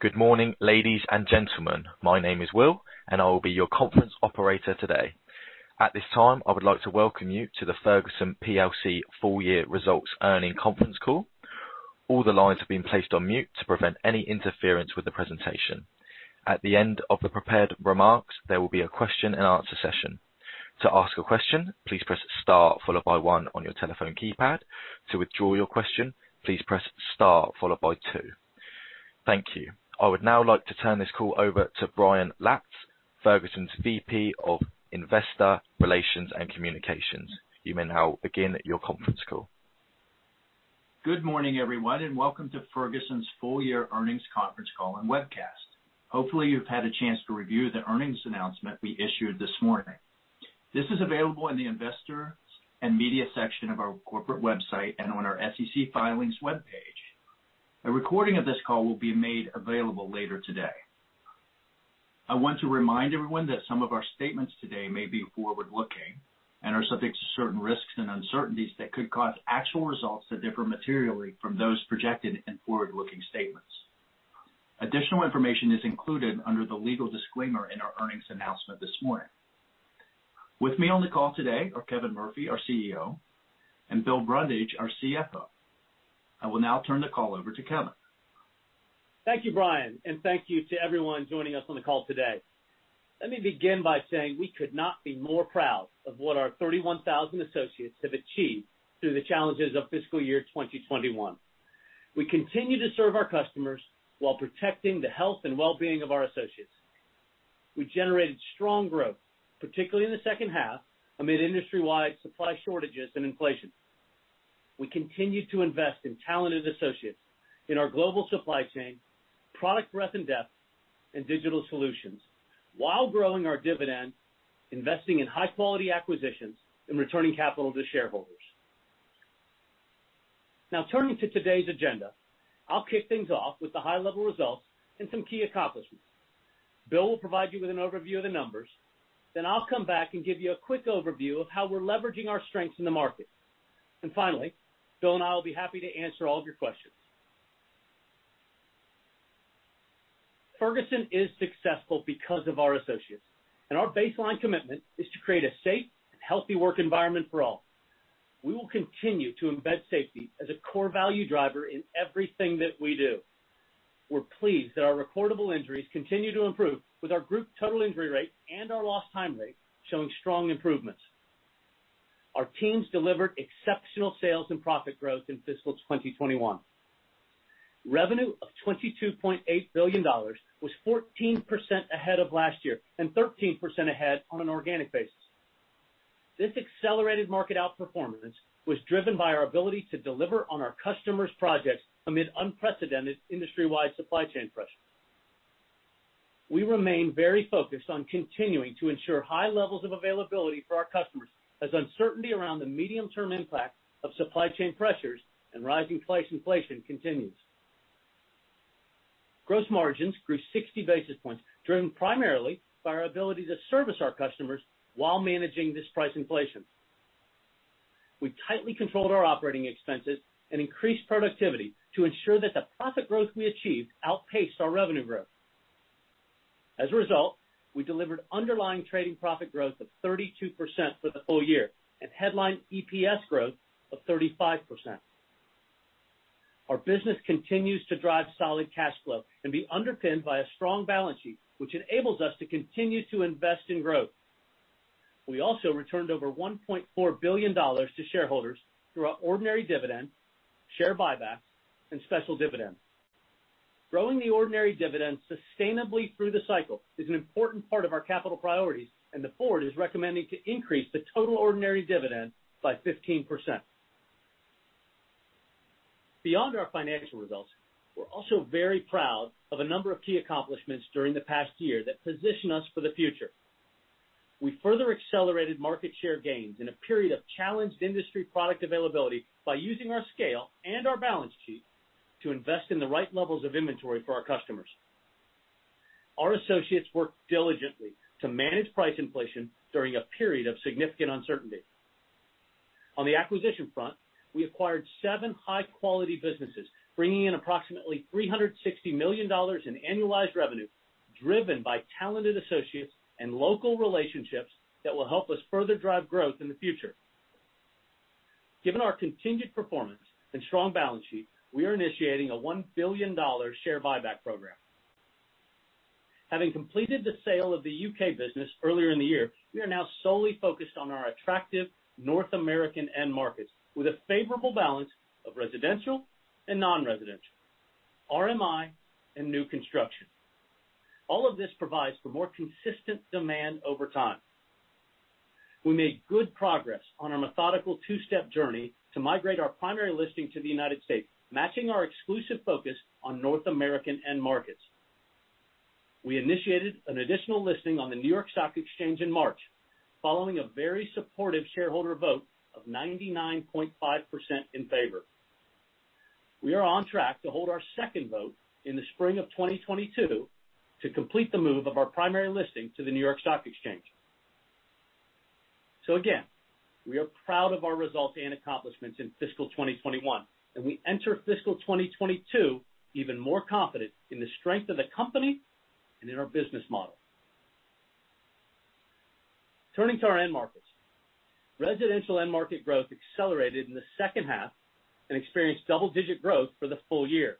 Good morning, ladies and gentlemen. My name is Will. I will be your conference operator today. At this time, I would like to welcome you to the Ferguson Plc full year results earnings conference call. All the lines have been placed on mute to prevent any interference with the presentation. At the end of the prepared remarks, there will be a question and answer session. To ask a question, please press star followed by one on your telephone keypad. To withdraw your question, please press star followed by two. Thank you. I would now like to turn this call over to Brian Lantz, Ferguson's VP of Investor Relations and Communications. Good morning, everyone, and welcome to Ferguson's full year earnings conference call and webcast. Hopefully, you've had a chance to review the earnings announcement we issued this morning. This is available in the investor and media section of our corporate website and on our SEC filings webpage. A recording of this call will be made available later today. I want to remind everyone that some of our statements today may be forward-looking and are subject to certain risks and uncertainties that could cause actual results to differ materially from those projected in forward-looking statements. Additional information is included under the legal disclaimer in our earnings announcement this morning. With me on the call today are Kevin Murphy, our CEO, and Bill Brundage, our CFO. I will now turn the call over to Kevin. Thank you, Brian, and thank you to everyone joining us on the call today. Let me begin by saying we could not be more proud of what our 31,000 associates have achieved through the challenges of fiscal year 2021. We continue to serve our customers while protecting the health and wellbeing of our associates. We generated strong growth, particularly in the second half, amid industry-wide supply shortages and inflation. We continued to invest in talented associates in our global supply chain, product breadth and depth, and digital solutions while growing our dividend, investing in high-quality acquisitions, and returning capital to shareholders. Now turning to today's agenda. I'll kick things off with the high-level results and some key accomplishments. Bill will provide you with an overview of the numbers. I'll come back and give you a quick overview of how we're leveraging our strengths in the market. Finally, Bill and I will be happy to answer all of your questions. Ferguson is successful because of our associates, and our baseline commitment is to create a safe and healthy work environment for all. We will continue to embed safety as a core value driver in everything that we do. We're pleased that our recordable injuries continue to improve with our group total injury rate and our lost time rate showing strong improvements. Our teams delivered exceptional sales and profit growth in fiscal 2021. Revenue of $22.8 billion was 14% ahead of last year and 13% ahead on an organic basis. This accelerated market outperformance was driven by our ability to deliver on our customers' projects amid unprecedented industry-wide supply chain pressures. We remain very focused on continuing to ensure high levels of availability for our customers as uncertainty around the medium-term impact of supply chain pressures and rising price inflation continues. Gross margins grew 60 basis points, driven primarily by our ability to service our customers while managing this price inflation. We tightly controlled our operating expenses and increased productivity to ensure that the profit growth we achieved outpaced our revenue growth. We delivered underlying trading profit growth of 32% for the full year and headline EPS growth of 35%. Our business continues to drive solid cash flow and be underpinned by a strong balance sheet, which enables us to continue to invest in growth. We also returned over $1.4 billion to shareholders through our ordinary dividend, share buybacks, and special dividends. Growing the ordinary dividend sustainably through the cycle is an important part of our capital priorities, and the board is recommending to increase the total ordinary dividend by 15%. Beyond our financial results, we're also very proud of a number of key accomplishments during the past year that position us for the future. We further accelerated market share gains in a period of challenged industry product availability by using our scale and our balance sheet to invest in the right levels of inventory for our customers. Our associates worked diligently to manage price inflation during a period of significant uncertainty. On the acquisition front, we acquired seven high-quality businesses, bringing in approximately $360 million in annualized revenue, driven by talented associates and local relationships that will help us further drive growth in the future. Given our continued performance and strong balance sheet, we are initiating a $1 billion share buyback program. Having completed the sale of the U.K. business earlier in the year, we are now solely focused on our attractive North American end markets with a favorable balance of residential and non-residential, RMI, and new construction. All of this provides for more consistent demand over time. We made good progress on our methodical two-step journey to migrate our primary listing to the United States, matching our exclusive focus on North American end markets. We initiated an additional listing on the New York Stock Exchange in March, following a very supportive shareholder vote of 99.5% in favor. We are on track to hold our second vote in the spring of 2022 to complete the move of our primary listing to the New York Stock Exchange. Again, we are proud of our results and accomplishments in fiscal 2021, and we enter fiscal 2022 even more confident in the strength of the company and in our business model. Turning to our end markets. Residential end market growth accelerated in the second half and experienced double-digit growth for the full year.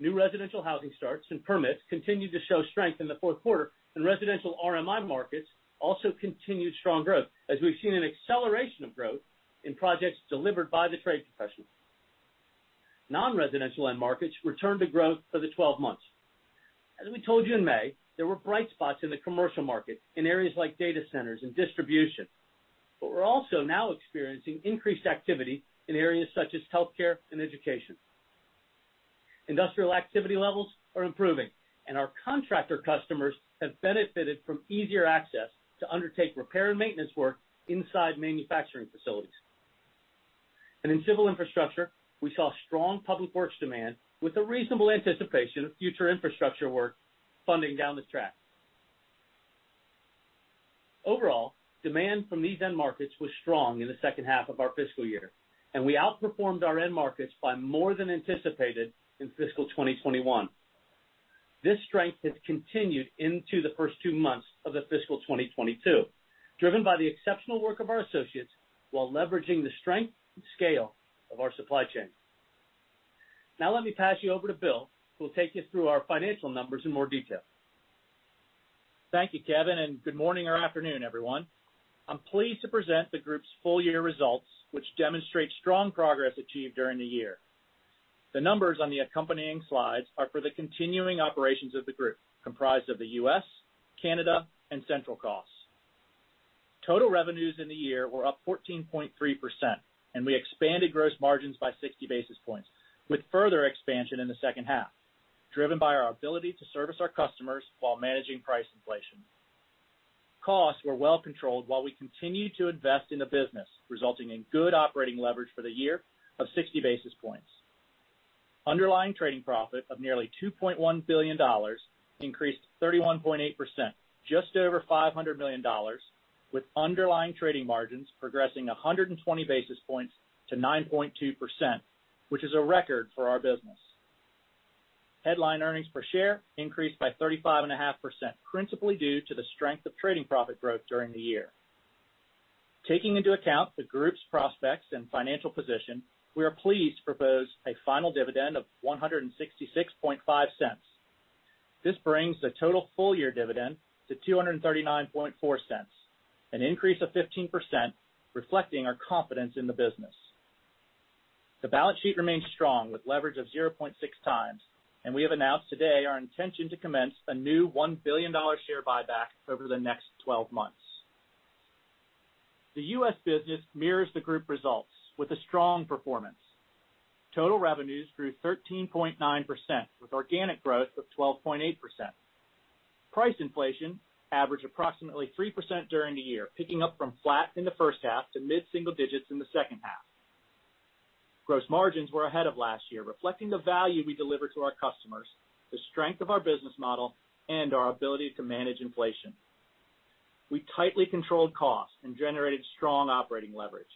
New residential housing starts and permits continued to show strength in the fourth quarter, and residential RMI markets also continued strong growth, as we've seen an acceleration of growth in projects delivered by the trade professionals. Non-residential end markets returned to growth for the 12 months. As we told you in May, there were bright spots in the commercial market in areas like data centers and distribution, but we're also now experiencing increased activity in areas such as healthcare and education. Industrial activity levels are improving. Our contractor customers have benefited from easier access to undertake repair and maintenance work inside manufacturing facilities. In civil infrastructure, we saw strong public works demand with the reasonable anticipation of future infrastructure work funding down the track. Overall, demand from these end markets was strong in the second half of our fiscal year, and we outperformed our end markets by more than anticipated in fiscal 2021. This strength has continued into the first two months of the fiscal 2022, driven by the exceptional work of our associates while leveraging the strength and scale of our supply chain. Now let me pass you over to Bill, who will take you through our financial numbers in more detail. Thank you, Kevin, and good morning or afternoon, everyone. I'm pleased to present the group's full-year results, which demonstrate strong progress achieved during the year. The numbers on the accompanying slides are for the continuing operations of the group, comprised of the U.S., Canada, and central costs. Total revenues in the year were up 14.3%, and we expanded gross margins by 60 basis points, with further expansion in the second half, driven by our ability to service our customers while managing price inflation. Costs were well controlled while we continued to invest in the business, resulting in good operating leverage for the year of 60 basis points. Underlying trading profit of nearly $2.1 billion increased 31.8%, just over $500 million, with underlying trading margins progressing 120 basis points to 9.2%, which is a record for our business. Headline earnings per share increased by 35.5%, principally due to the strength of trading profit growth during the year. Taking into account the group's prospects and financial position, we are pleased to propose a final dividend of $1.665. This brings the total full-year dividend to $2.394, an increase of 15%, reflecting our confidence in the business. The balance sheet remains strong with leverage of 0.6 times, and we have announced today our intention to commence a new $1 billion share buyback over the next 12 months. The U.S. business mirrors the group results with a strong performance. Total revenues grew 13.9%, with organic growth of 12.8%. Price inflation averaged approximately 3% during the year, picking up from flat in the first half to mid-single digits in the second half. Gross margins were ahead of last year, reflecting the value we deliver to our customers, the strength of our business model, and our ability to manage inflation. We tightly controlled costs and generated strong operating leverage.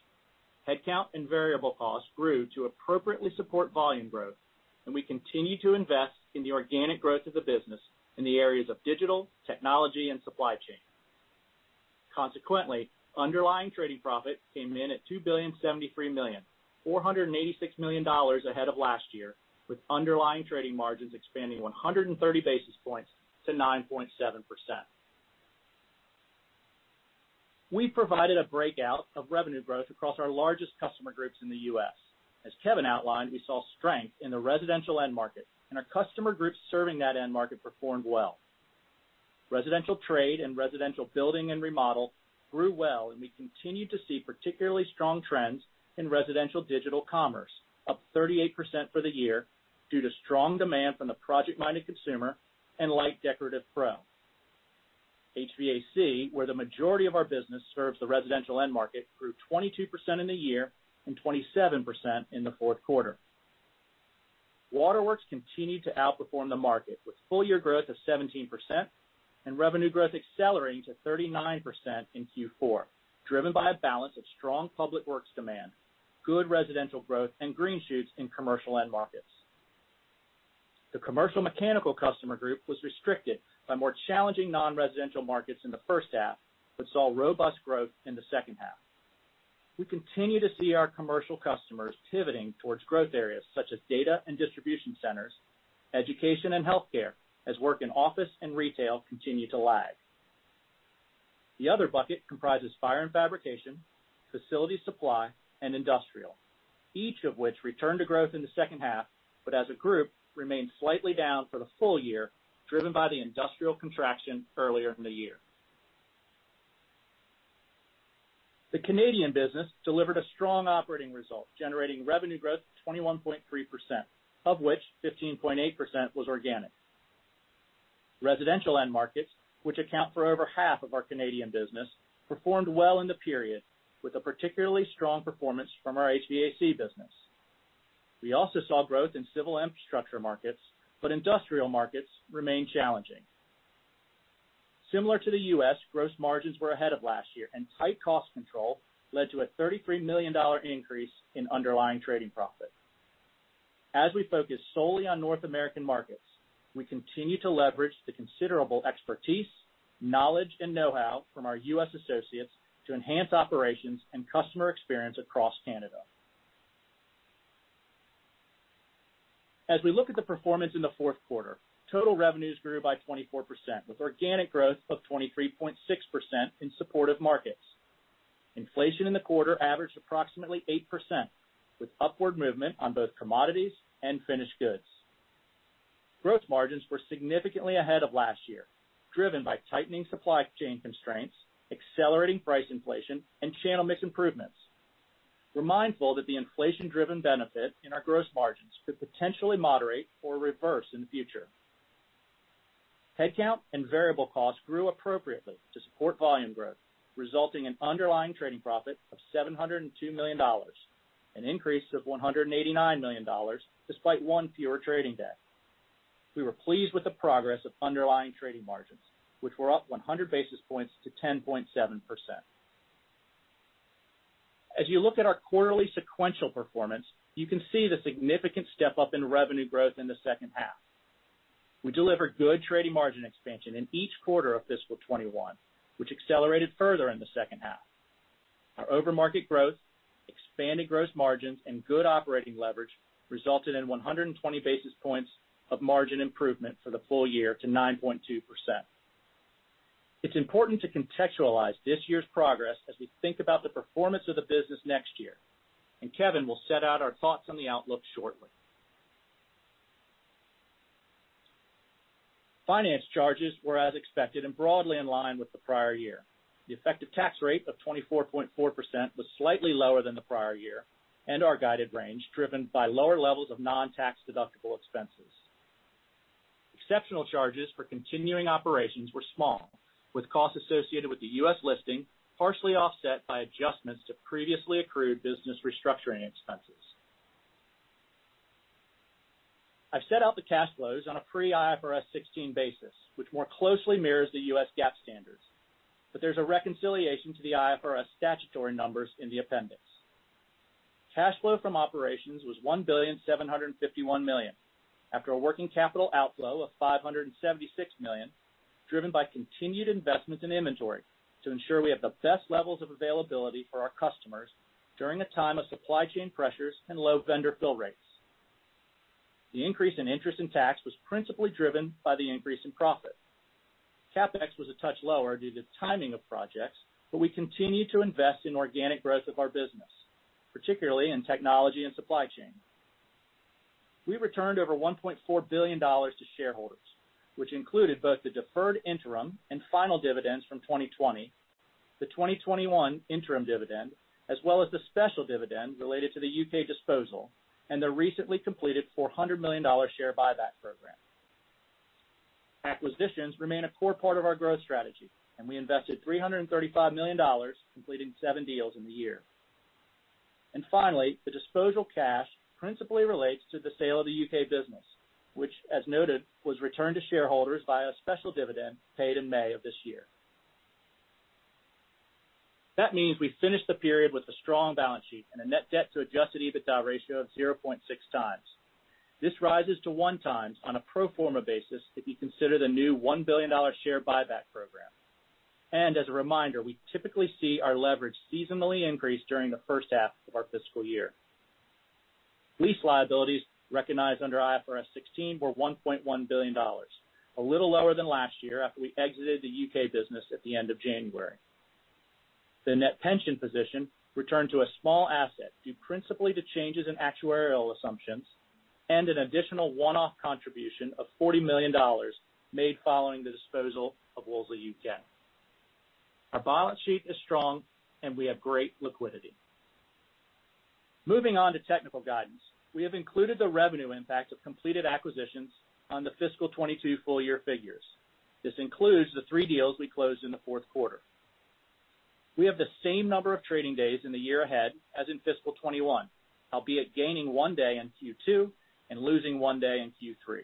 Headcount and variable costs grew to appropriately support volume growth, and we continue to invest in the organic growth of the business in the areas of digital, technology, and supply chain. Consequently, underlying trading profit came in at $2.073 billion, $486 million ahead of last year, with underlying trading margins expanding 130 basis points to 9.7%. We provided a breakout of revenue growth across our largest customer groups in the U.S. As Kevin outlined, we saw strength in the residential end market, and our customer groups serving that end market performed well. Residential trade and residential building and remodel grew well, and we continue to see particularly strong trends in residential digital commerce, up 38% for the year due to strong demand from the project-minded consumer and light decorative pro. HVAC, where the majority of our business serves the residential end market, grew 22% in the year and 27% in the fourth quarter. Waterworks continued to outperform the market, with full-year growth of 17% and revenue growth accelerating to 39% in Q4, driven by a balance of strong public works demand, good residential growth, and green shoots in commercial end markets. The commercial mechanical customer group was restricted by more challenging non-residential markets in the 1st half but saw robust growth in the 2nd half. We continue to see our commercial customers pivoting towards growth areas such as data and distribution centers, education and healthcare, as work in office and retail continue to lag. The other bucket comprises fire and fabrication, facility supply, and industrial, each of which returned to growth in the 2nd half, but as a group remained slightly down for the full year, driven by the industrial contraction earlier in the year. The Canadian business delivered a strong operating result, generating revenue growth of 21.3%, of which 15.8% was organic. Residential end markets, which account for over half of our Canadian business, performed well in the period, with a particularly strong performance from our HVAC business. We also saw growth in civil infrastructure markets, but industrial markets remain challenging. Similar to the U.S., gross margins were ahead of last year. Tight cost control led to a $33 million increase in underlying trading profit. As we focus solely on North American markets, we continue to leverage the considerable expertise, knowledge, and know-how from our U.S. associates to enhance operations and customer experience across Canada. As we look at the performance in the fourth quarter, total revenues grew by 24%, with organic growth of 23.6% in supportive markets. Inflation in the quarter averaged approximately 8%, with upward movement on both commodities and finished goods. Gross margins were significantly ahead of last year, driven by tightening supply chain constraints, accelerating price inflation, and channel mix improvements. We're mindful that the inflation-driven benefit in our gross margins could potentially moderate or reverse in the future. Headcount and variable costs grew appropriately to support volume growth, resulting in underlying trading profit of $702 million, an increase of $189 million despite one fewer trading day. We were pleased with the progress of underlying trading margins, which were up 100 basis points to 10.7%. As you look at our quarterly sequential performance, you can see the significant step-up in revenue growth in the 2nd half. We delivered good trading margin expansion in each quarter of fiscal 2021, which accelerated further in the 2nd half. Our overmarket growth, expanded gross margins, and good operating leverage resulted in 120 basis points of margin improvement for the full year to 9.2%. It's important to contextualize this year's progress as we think about the performance of the business next year, and Kevin will set out our thoughts on the outlook shortly. Finance charges were as expected and broadly in line with the prior year. The effective tax rate of 24.4% was slightly lower than the prior year, and our guided range driven by lower levels of non-tax-deductible expenses. Exceptional charges for continuing operations were small, with costs associated with the U.S. listing partially offset by adjustments to previously accrued business restructuring expenses. I've set out the cash flows on a pre-IFRS 16 basis, which more closely mirrors the U.S. GAAP standards. There's a reconciliation to the IFRS statutory numbers in the appendix. Cash flow from operations was $1.751 billion, after a working capital outflow of $576 million, driven by continued investments in inventory to ensure we have the best levels of availability for our customers during a time of supply chain pressures and low vendor fill rates. The increase in interest and tax was principally driven by the increase in profit. CapEx was a touch lower due to timing of projects, but we continue to invest in organic growth of our business, particularly in technology and supply chain. We returned over $1.4 billion to shareholders, which included both the deferred interim and final dividends from 2020, the 2021 interim dividend, as well as the special dividend related to the U.K. disposal, and the recently completed $400 million share buyback program. Acquisitions remain a core part of our growth strategy, and we invested $335 million, completing seven deals in the year. Finally, the disposal cash principally relates to the sale of the U.K. business, which, as noted, was returned to shareholders via a special dividend paid in May of this year. That means we finished the period with a strong balance sheet and a net debt to adjusted EBITDA ratio of 0.6 times. This rises to 1 times on a pro forma basis if you consider the new $1 billion share buyback program. As a reminder, we typically see our leverage seasonally increase during the 1st half of our fiscal year. Lease liabilities recognized under IFRS 16 were $1.1 billion, a little lower than last year after we exited the U.K. business at the end of January. The net pension position returned to a small asset due principally to changes in actuarial assumptions and an additional one-off contribution of $40 million made following the disposal of Wolseley UK. Our balance sheet is strong, and we have great liquidity. Moving on to technical guidance. We have included the revenue impact of completed acquisitions on the fiscal 2022 full-year figures. This includes the three deals we closed in the fourth quarter. We have the same number of trading days in the year ahead as in fiscal 2021, albeit gaining one day in Q2 and losing one day in Q3.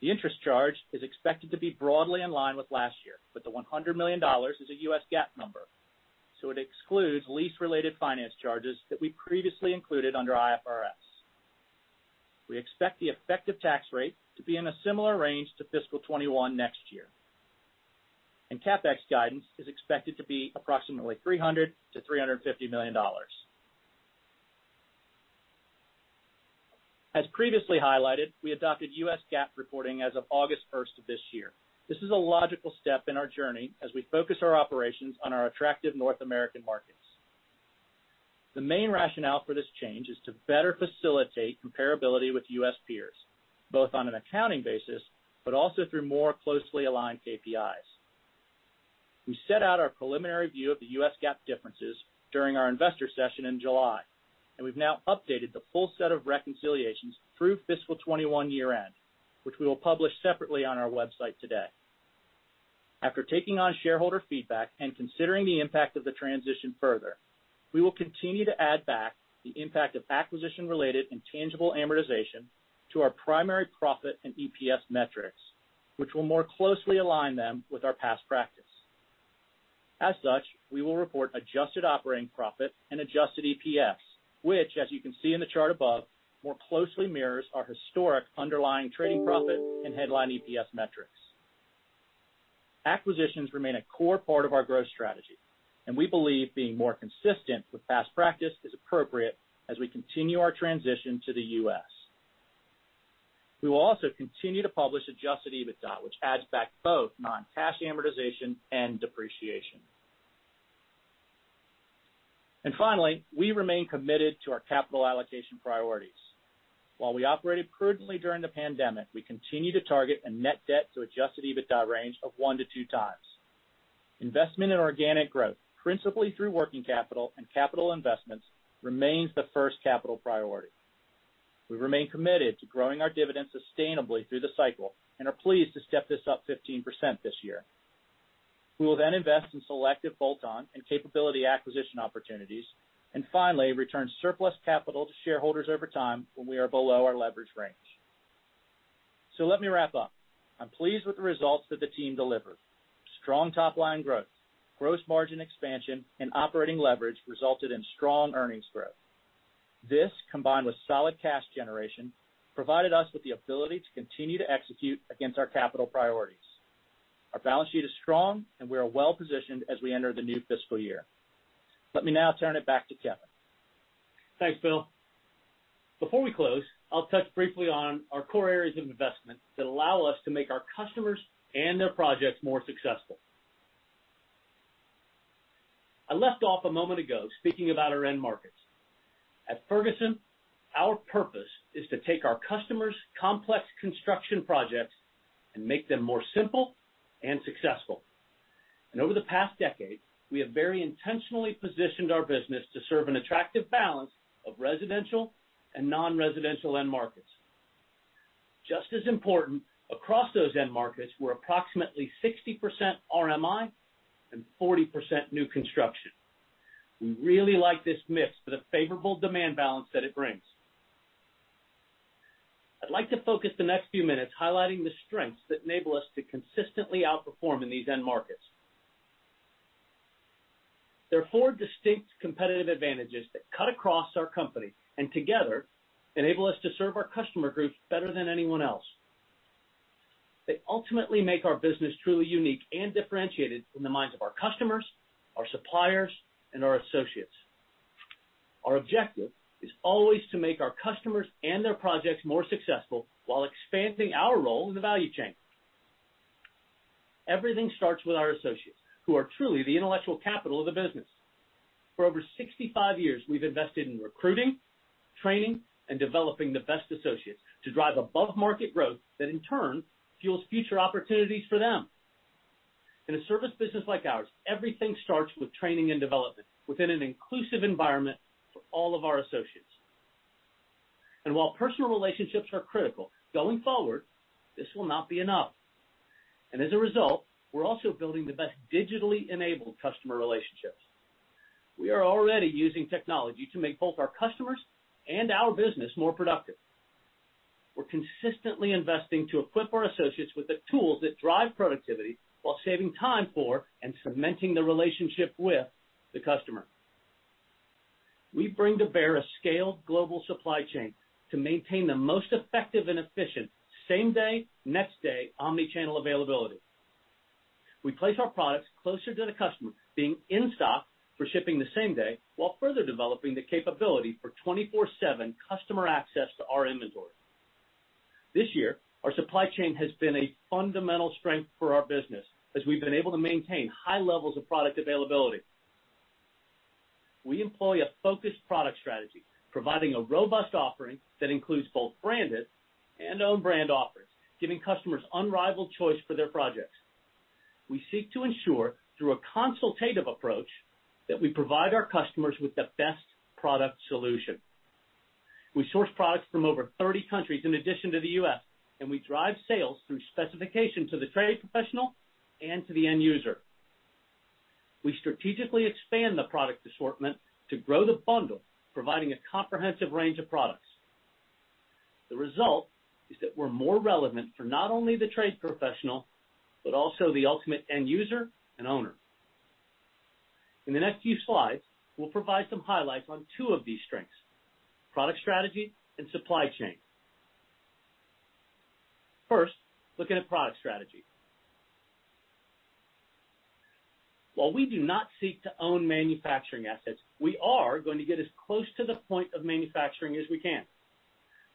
The interest charge is expected to be broadly in line with last year, but the $100 million is a U.S. GAAP number, so it excludes lease-related finance charges that we previously included under IFRS. We expect the effective tax rate to be in a similar range to fiscal 2021 next year. CapEx guidance is expected to be approximately $300 million-$350 million. As previously highlighted, we adopted U.S. GAAP reporting as of August 1st of this year. This is a logical step in our journey as we focus our operations on our attractive North American markets. The main rationale for this change is to better facilitate comparability with U.S. peers, both on an accounting basis, but also through more closely aligned KPIs. We set out our preliminary view of the U.S. GAAP differences during our investor session in July. We've now updated the full set of reconciliations through fiscal 2021 year-end, which we will publish separately on our website today. After taking on shareholder feedback and considering the impact of the transition further, we will continue to add back the impact of acquisition-related intangible amortization to our primary profit and EPS metrics, which will more closely align them with our past practice. As such, we will report adjusted operating profit and adjusted EPS, which as you can see in the chart above, more closely mirrors our historic underlying trading profit and headline EPS metrics. Acquisitions remain a core part of our growth strategy, and we believe being more consistent with past practice is appropriate as we continue our transition to the U.S. We will also continue to publish adjusted EBITDA, which adds back both non-cash amortization and depreciation. Finally, we remain committed to our capital allocation priorities. While we operated prudently during the pandemic, we continue to target a net debt to adjusted EBITDA range of 1 to 2 times. Investment in organic growth, principally through working capital and capital investments, remains the first capital priority. We remain committed to growing our dividends sustainably through the cycle and are pleased to step this up 15% this year. We will then invest in selective bolt-on and capability acquisition opportunities, and finally, return surplus capital to shareholders over time when we are below our leverage range. Let me wrap up. I'm pleased with the results that the team delivered. Strong top-line growth, gross margin expansion, and operating leverage resulted in strong earnings growth. This, combined with solid cash generation, provided us with the ability to continue to execute against our capital priorities. Our balance sheet is strong, and we are well-positioned as we enter the new fiscal year. Let me now turn it back to Kevin. Thanks, Bill. Before we close, I'll touch briefly on our core areas of investment that allow us to make our customers and their projects more successful. I left off a moment ago speaking about our end markets. At Ferguson, our purpose is to take our customers' complex construction projects and make them more simple and successful. Over the past decade, we have very intentionally positioned our business to serve an attractive balance of residential and non-residential end markets. Just as important, across those end markets, we're approximately 60% RMI and 40% new construction. We really like this mix for the favorable demand balance that it brings. I'd like to focus the next few minutes highlighting the strengths that enable us to consistently outperform in these end markets. There are four distinct competitive advantages that cut across our company and together enable us to serve our customer groups better than anyone else. They ultimately make our business truly unique and differentiated in the minds of our customers, our suppliers, and our associates. Our objective is always to make our customers and their projects more successful while expanding our role in the value chain. Everything starts with our associates who are truly the intellectual capital of the business. For over 65 years, we've invested in recruiting, training, and developing the best associates to drive above-market growth that in turn fuels future opportunities for them. In a service business like ours, everything starts with training and development within an inclusive environment for all of our associates. While personal relationships are critical, going forward, this will not be enough. As a result, we're also building the best digitally enabled customer relationships. We are already using technology to make both our customers and our business more productive. We're consistently investing to equip our associates with the tools that drive productivity while saving time for and cementing the relationship with the customer. We bring to bear a scaled global supply chain to maintain the most effective and efficient same-day, next-day omnichannel availability. We place our products closer to the customer, being in stock for shipping the same day, while further developing the capability for 24/7 customer access to our inventory. This year, our supply chain has been a fundamental strength for our business as we've been able to maintain high levels of product availability. We employ a focused product strategy, providing a robust offering that includes both branded and own brand offerings, giving customers unrivaled choice for their projects. We seek to ensure through a consultative approach that we provide our customers with the best product solution. We source products from over 30 countries in addition to the U.S. We drive sales through specification to the trade professional and to the end user. We strategically expand the product assortment to grow the bundle, providing a comprehensive range of products. The result is that we're more relevant for not only the trade professional, but also the ultimate end user and owner. In the next few slides, we'll provide some highlights on two of these strengths: product strategy and supply chain. First, looking at product strategy. While we do not seek to own manufacturing assets, we are going to get as close to the point of manufacturing as we can.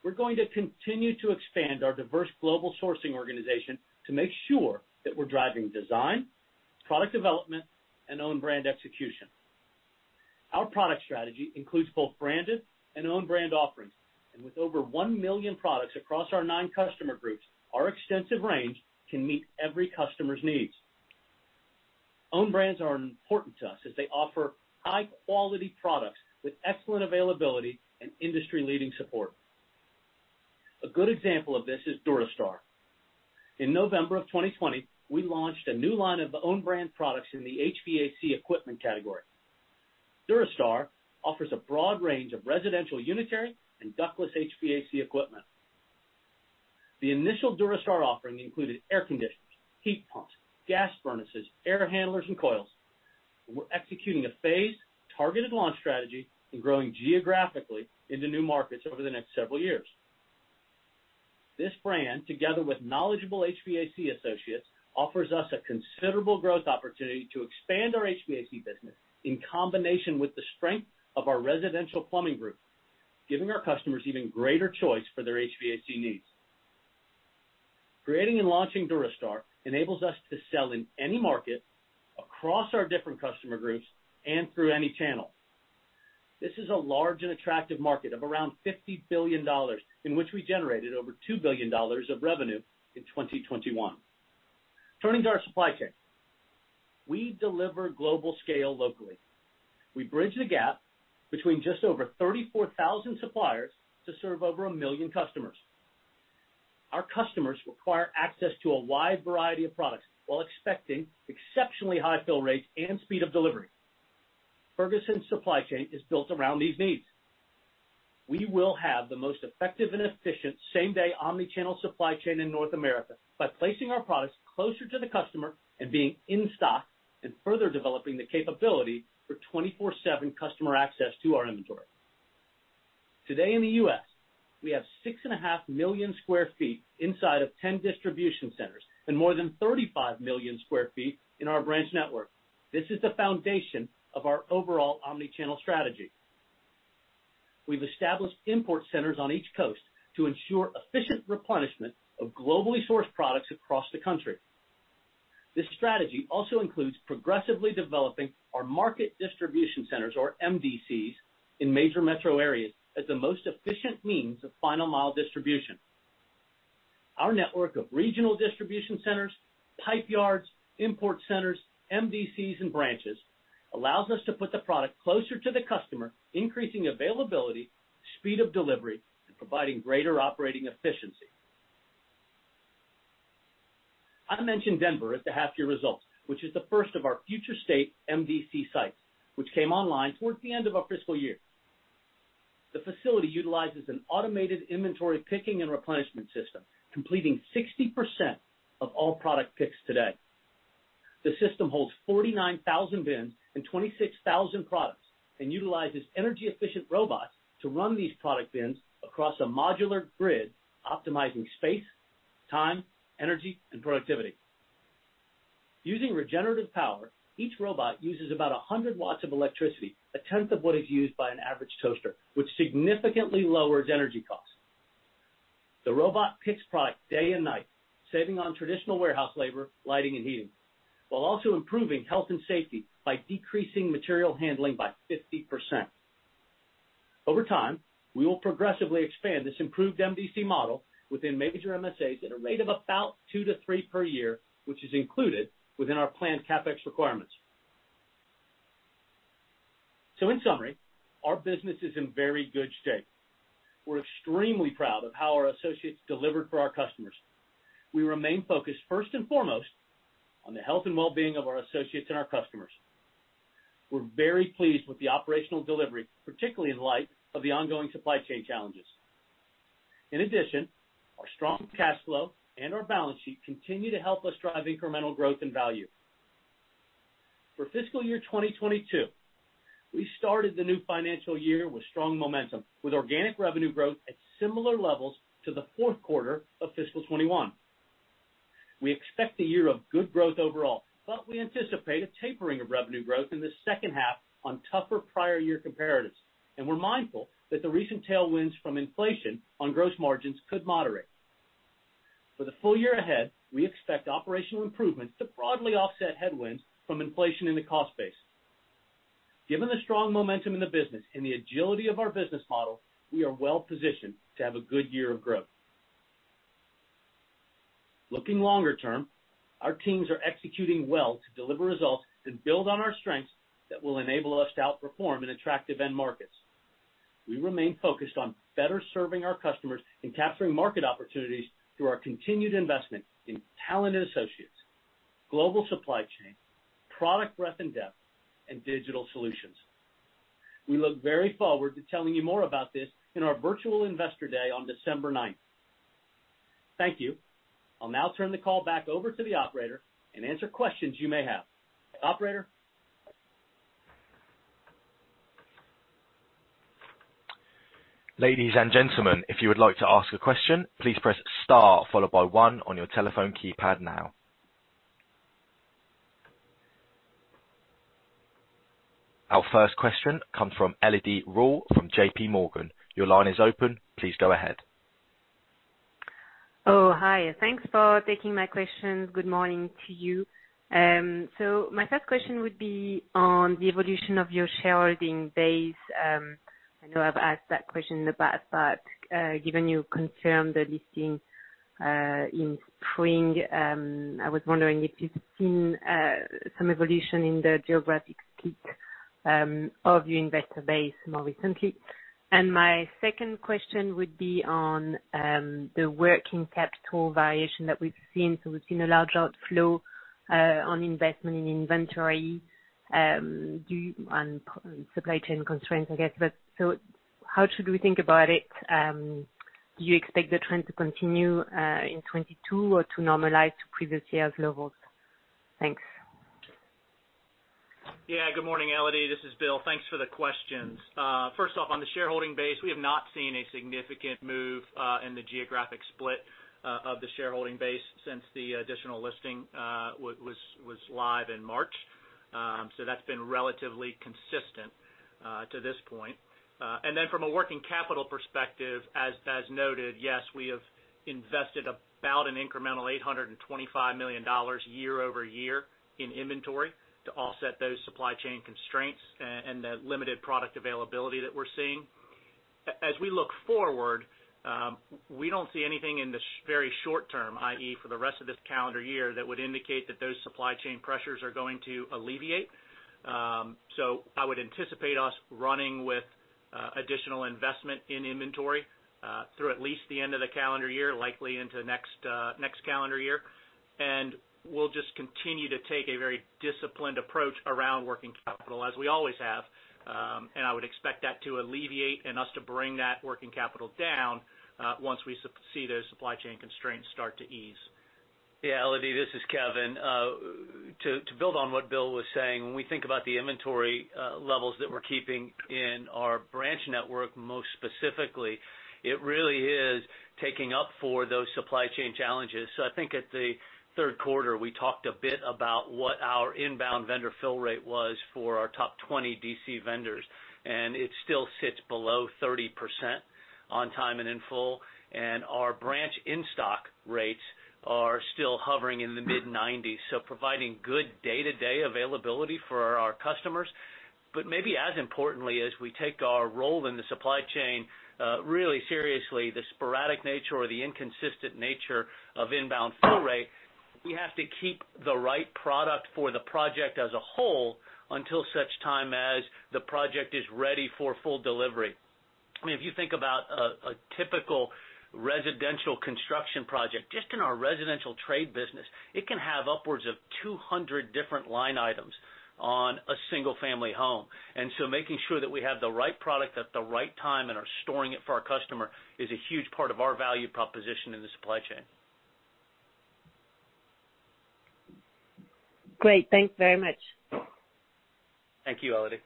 We're going to continue to expand our diverse global sourcing organization to make sure that we're driving design, product development, and own brand execution. Our product strategy includes both branded and own brand offerings. With over 1 million products across our nine customer groups, our extensive range can meet every customer's needs. Own brands are important to us as they offer high-quality products with excellent availability and industry-leading support. A good example of this is Durastar. In November of 2020, we launched a new line of own brand products in the HVAC equipment category. Durastar offers a broad range of residential unitary and ductless HVAC equipment. The initial Durastar offering included air conditioners, heat pumps, gas furnaces, air handlers, and coils. We're executing a phased, targeted launch strategy and growing geographically into new markets over the next several years. This brand, together with knowledgeable HVAC associates, offers us a considerable growth opportunity to expand our HVAC business in combination with the strength of our residential plumbing group, giving our customers even greater choice for their HVAC needs. Creating and launching Durastar enables us to sell in any market across our different customer groups and through any channel. This is a large and attractive market of around $50 billion, in which we generated over $2 billion of revenue in 2021. Turning to our supply chain, we deliver global scale locally. We bridge the gap between just over 34,000 suppliers to serve over 1 million customers. Our customers require access to a wide variety of products while expecting exceptionally high fill rates and speed of delivery. Ferguson's supply chain is built around these needs. We will have the most effective and efficient same-day omni-channel supply chain in North America by placing our products closer to the customer and being in stock and further developing the capability for 24/7 customer access to our inventory. Today in the U.S., we have 6.5 million sq ft inside of 10 distribution centers and more than 35 million sq ft in our branch network. This is the foundation of our overall omni-channel strategy. We've established import centers on each coast to ensure efficient replenishment of globally sourced products across the country. This strategy also includes progressively developing our market distribution centers, or MDCs, in major metro areas as the most efficient means of final mile distribution. Our network of regional distribution centers, pipe yards, import centers, MDCs, and branches allows us to put the product closer to the customer, increasing availability, speed of delivery, and providing greater operating efficiency. I mentioned Denver at the half year results, which is the first of our future state MDC sites, which came online towards the end of our fiscal year. The facility utilizes an automated inventory picking and replenishment system, completing 60% of all product picks today. The system holds 49,000 bins and 26,000 products and utilizes energy-efficient robots to run these product bins across a modular grid, optimizing space, time, energy, and productivity. Using regenerative power, each robot uses about 100 watts of electricity, a tenth of what is used by an average toaster, which significantly lowers energy costs. The robot picks product day and night, saving on traditional warehouse labor, lighting, and heating, while also improving health and safety by decreasing material handling by 50%. Over time, we will progressively expand this improved MDC model within major MSAs at a rate of about two to three per year, which is included within our planned CapEx requirements. In summary, our business is in very good shape. We're extremely proud of how our associates delivered for our customers. We remain focused first and foremost on the health and wellbeing of our associates and our customers. We're very pleased with the operational delivery, particularly in light of the ongoing supply chain challenges. In addition, our strong cash flow and our balance sheet continue to help us drive incremental growth and value. For fiscal year 2022, we started the new financial year with strong momentum, with organic revenue growth at similar levels to the fourth quarter of fiscal 2021. We expect a year of good growth overall, but we anticipate a tapering of revenue growth in the 2nd half on tougher prior year comparatives, and we're mindful that the recent tailwinds from inflation on gross margins could moderate. For the full year ahead, we expect operational improvements to broadly offset headwinds from inflation in the cost base. Given the strong momentum in the business and the agility of our business model, we are well positioned to have a good year of growth. Looking longer term, our teams are executing well to deliver results that build on our strengths that will enable us to outperform in attractive end markets. We remain focused on better serving our customers and capturing market opportunities through our continued investment in talented associates, global supply chain, product breadth and depth, and digital solutions. We look very forward to telling you more about this in our virtual Investor Day on December 9th. Thank you. I'll now turn the call back over to the operator and answer questions you may have. Operator? Ladies and gentlemen, if you would like to ask a question, please press star followed by one on your telephone keypad now. Our first question comes from Elodie Rall from JPMorgan. Your line is open. Please go ahead. Oh, hi. Thanks for taking my questions. Good morning to you. My 1st question would be on the evolution of your shareholding base. I know I've asked that question in the past, but given you confirmed the listing in spring, I was wondering if you've seen some evolution in the geographic peak of your investor base more recently. My 2nd question would be on the working capital variation that we've seen. We've seen a large outflow on investment in inventory on supply chain constraints, I guess. How should we think about it? Do you expect the trend to continue in 2022 or to normalize to previous years' levels? Thanks. Good morning, Elodie. This is Bill. Thanks for the questions. First off, on the shareholding base, we have not seen a significant move in the geographic split of the shareholding base since the additional listing was live in March. That's been relatively consistent to this point. From a working capital perspective, as noted, yes, we have invested about an incremental $825 million year-over-year in inventory to offset those supply chain constraints and the limited product availability that we're seeing. As we look forward, we don't see anything in the very short term, i.e., for the rest of this calendar year, that would indicate that those supply chain pressures are going to alleviate. I would anticipate us running with additional investment in inventory through at least the end of the calendar year, likely into next calendar year, and we'll just continue to take a very disciplined approach around working capital as we always have. I would expect that to alleviate and us to bring that working capital down once we see those supply chain constraints start to ease. Yeah, Elodie, this is Kevin. To build on what Bill was saying, when we think about the inventory levels that we're keeping in our branch network, most specifically, it really is taking up for those supply chain challenges. I think at the third quarter, we talked a bit about what our inbound vendor fill rate was for our top 20 DC vendors, and it still sits below 30% on time and in full. Our branch in-stock rates are still hovering in the mid-90s, so providing good day-to-day availability for our customers. Maybe as importantly, as we take our role in the supply chain really seriously, the sporadic nature or the inconsistent nature of inbound fill rate, we have to keep the right product for the project as a whole until such time as the project is ready for full delivery. I mean, if you think about a typical residential construction project, just in our residential trade business, it can have upwards of 200 different line items on a single family home. Making sure that we have the right product at the right time and are storing it for our customer is a huge part of our value proposition in the supply chain. Great. Thanks very much. Thank you, Elodie.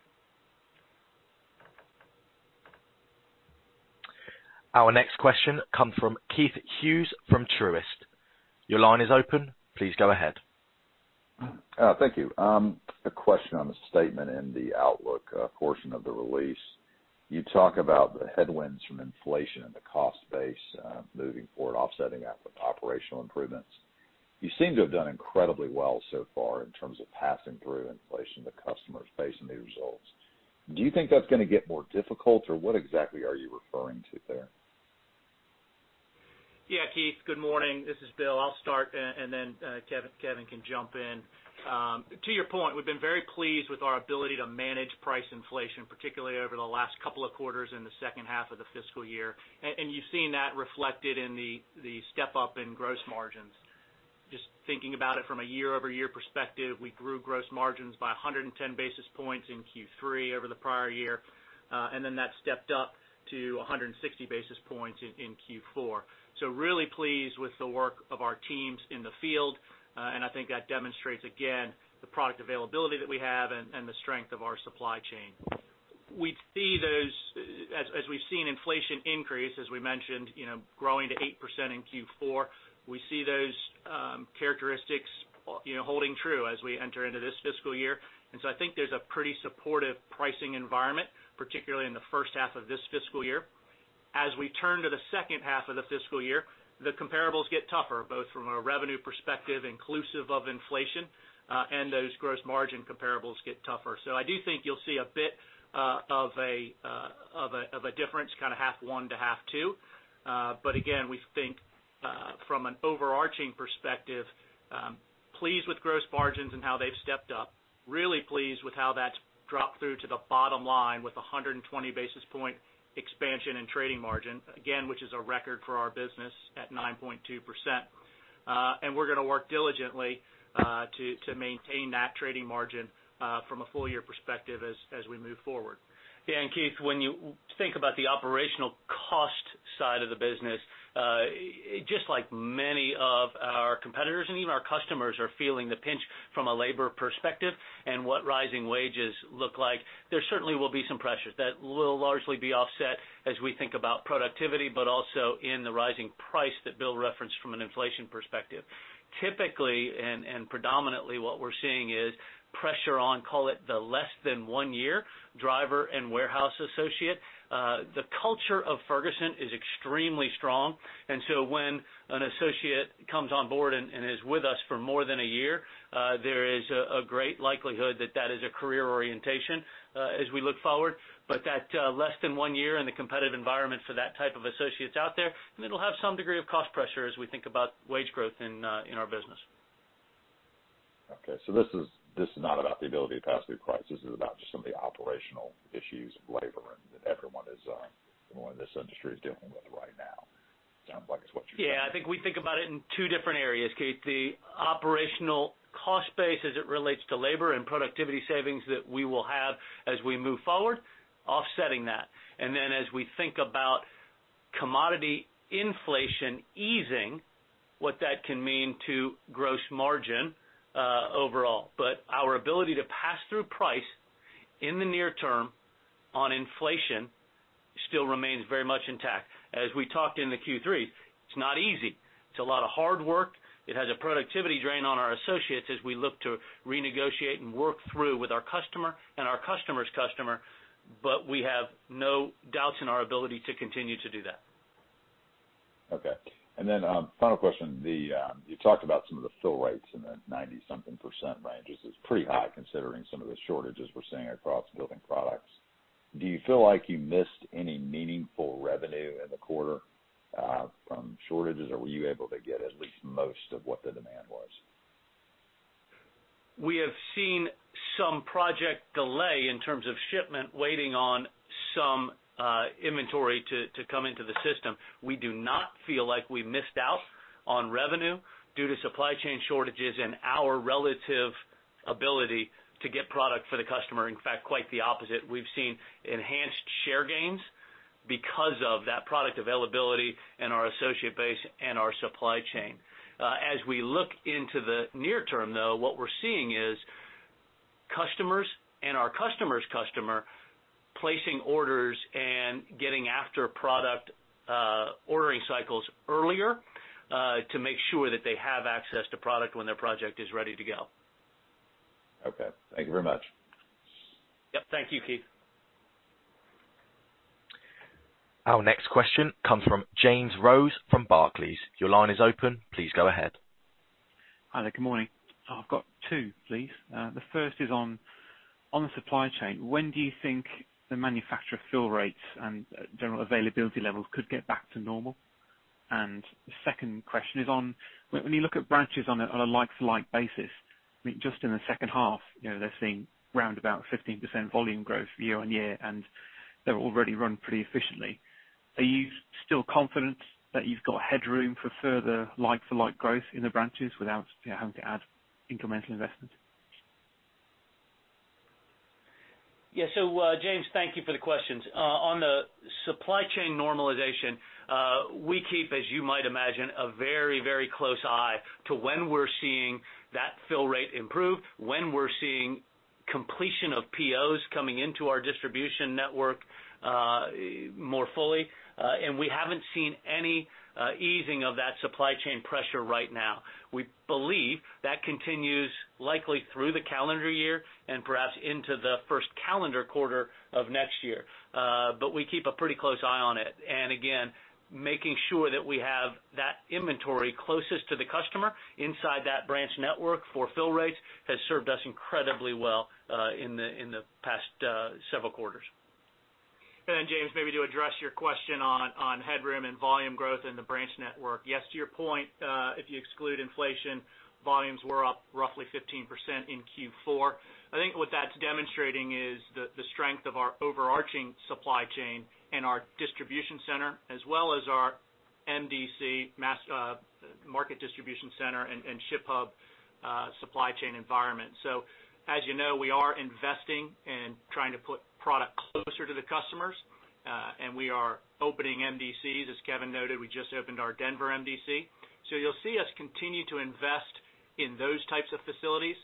Our next question comes from Keith Hughes from Truist. Your line is open. Please go ahead. Thank you. A question on the statement in the outlook portion of the release. You talk about the headwinds from inflation and the cost base moving forward, offsetting that with operational improvements. You seem to have done incredibly well so far in terms of passing through inflation to customers based on these results. Do you think that's going to get more difficult, or what exactly are you referring to there? Yeah, Keith, good morning. This is Bill. I'll start, and then Kevin can jump in. To your point, we've been very pleased with our ability to manage price inflation, particularly over the last couple of quarters in the 2nd half of the fiscal year. You've seen that reflected in the step-up in gross margins. Just thinking about it from a year-over-year perspective, we grew gross margins by 110 basis points in Q3 over the prior year, and then that stepped up to 160 basis points in Q4. Really pleased with the work of our teams in the field, and I think that demonstrates, again, the product availability that we have and the strength of our supply chain. As we've seen inflation increase, as we mentioned, growing to 8% in Q4, we see those characteristics holding true as we enter into this fiscal year. I think there's a pretty supportive pricing environment, particularly in the 1st half of this fiscal year. As we turn to the 2nd half of the fiscal year, the comparables get tougher, both from a revenue perspective inclusive of inflation, and those gross margin comparables get tougher. I do think you'll see a bit of a difference, kind of half 1 to half 2. We think from an overarching perspective, pleased with gross margins and how they've stepped up, really pleased with how that's dropped through to the bottom line with 120 basis point expansion in trading margin, again, which is a record for our business at 9.2%. We're going to work diligently to maintain that trading margin from a full-year perspective as we move forward. Yeah. Keith, when you think about the operational cost side of the business, just like many of our competitors and even our customers are feeling the pinch from a labor perspective and what rising wages look like, there certainly will be some pressures that will largely be offset as we think about productivity, but also in the rising price that Bill referenced from an inflation perspective. Typically, and predominantly what we're seeing is pressure on, call it the less than one year driver and warehouse associate. The culture of Ferguson is extremely strong, and so when an associate comes on board and is with us for more than a year, there is a great likelihood that that is a career orientation as we look forward. That less than one year and the competitive environment for that type of associates out there, and it'll have some degree of cost pressure as we think about wage growth in our business. Okay. This is not about the ability to pass through prices. This is about just some of the operational issues of labor and everyone in this industry is dealing with right now. Sounds like it is what you are saying. Yeah, I think we think about it in two different areas, Keith. The operational cost base as it relates to labor and productivity savings that we will have as we move forward, offsetting that. As we think about commodity inflation easing, what that can mean to gross margin overall. Our ability to pass through price in the near term on inflation still remains very much intact. As we talked in the Q3, it's not easy. It's a lot of hard work. It has a productivity drain on our associates as we look to renegotiate and work through with our customer and our customer's customer, but we have no doubts in our ability to continue to do that. Okay. Then, final question. You talked about some of the fill rates in the 90-something % ranges. It's pretty high considering some of the shortages we're seeing across building products. Do you feel like you missed any meaningful revenue in the quarter from shortages, or were you able to get at least most of what the demand was? We have seen some project delay in terms of shipment waiting on some inventory to come into the system. We do not feel like we missed out on revenue due to supply chain shortages and our relative ability to get product for the customer. In fact, quite the opposite. We've seen enhanced share gains because of that product availability and our associate base and our supply chain. As we look into the near term, though, what we're seeing is customers and our customer's customer placing orders and getting after product ordering cycles earlier, to make sure that they have access to product when their project is ready to go. Okay. Thank you very much. Yep. Thank you, Keith. Our next question comes from James Rose from Barclays. Your line is open. Please go ahead. Hi there. Good morning. I've got two, please. The 1st is on the supply chain. When do you think the manufacturer fill rates and general availability levels could get back to normal? The 2nd question is on, when you look at branches on a like-to-like basis, just in the 2nd half, they're seeing roundabout 15% volume growth year-over-year, and they're already run pretty efficiently. Are you still confident that you've got headroom for further like-for-like growth in the branches without having to add incremental investment? Yeah. James, thank you for the questions. On the supply chain normalization, we keep, as you might imagine, a very close eye to when we're seeing that fill rate improve, when we're seeing completion of POs coming into our distribution network more fully. We haven't seen any easing of that supply chain pressure right now. We believe that continues likely through the calendar year and perhaps into the 1st calendar quarter of next year. We keep a pretty close eye on it. Again, making sure that we have that inventory closest to the customer inside that branch network for fill rates has served us incredibly well in the past several quarters. James, maybe to address your question on headroom and volume growth in the branch network. Yes, to your point, if you exclude inflation, volumes were up roughly 15% in Q4. I think what that's demonstrating is the strength of our overarching supply chain and our distribution center, as well as our MDC, Market Distribution Center, and ship hub supply chain environment. As you know, we are investing and trying to put product closer to the customers, and we are opening MDCs. As Kevin noted, we just opened our Denver MDC. You'll see us continue to invest in those types of facilities.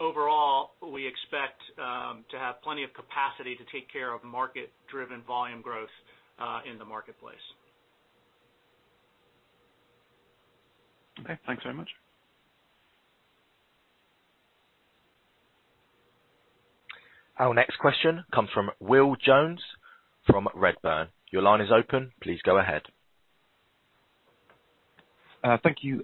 Overall, we expect to have plenty of capacity to take care of market-driven volume growth in the marketplace. Okay, thanks very much. Our next question comes from Will Jones from Redburn. Your line is open. Please go ahead. Thank you.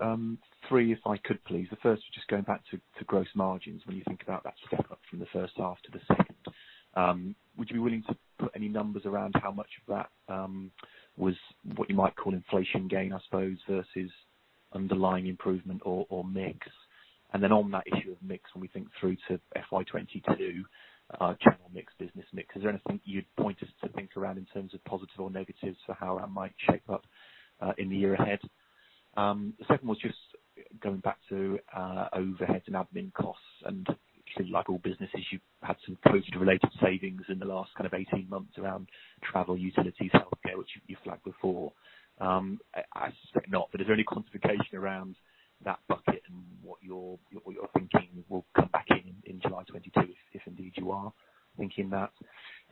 Three, if I could, please. The first is just going back to gross margins. When you think about that step up from the 1st half to the 2nd, would you be willing to put any numbers around how much of that was what you might call inflation gain, I suppose, versus underlying improvement or mix? On that issue of mix, when we think through to FY 2022, general mix, business mix, is there anything you'd point us to think around in terms of positive or negatives for how that might shape up in the year ahead? The 2nd was just going back to overheads and admin costs, and clearly, like all businesses, you've had some cost-related savings in the last 18 months around travel, utilities, healthcare, which you flagged before. I suspect not, is there any quantification around that bucket and what you're thinking will come back in in July 2022, if indeed you are thinking that?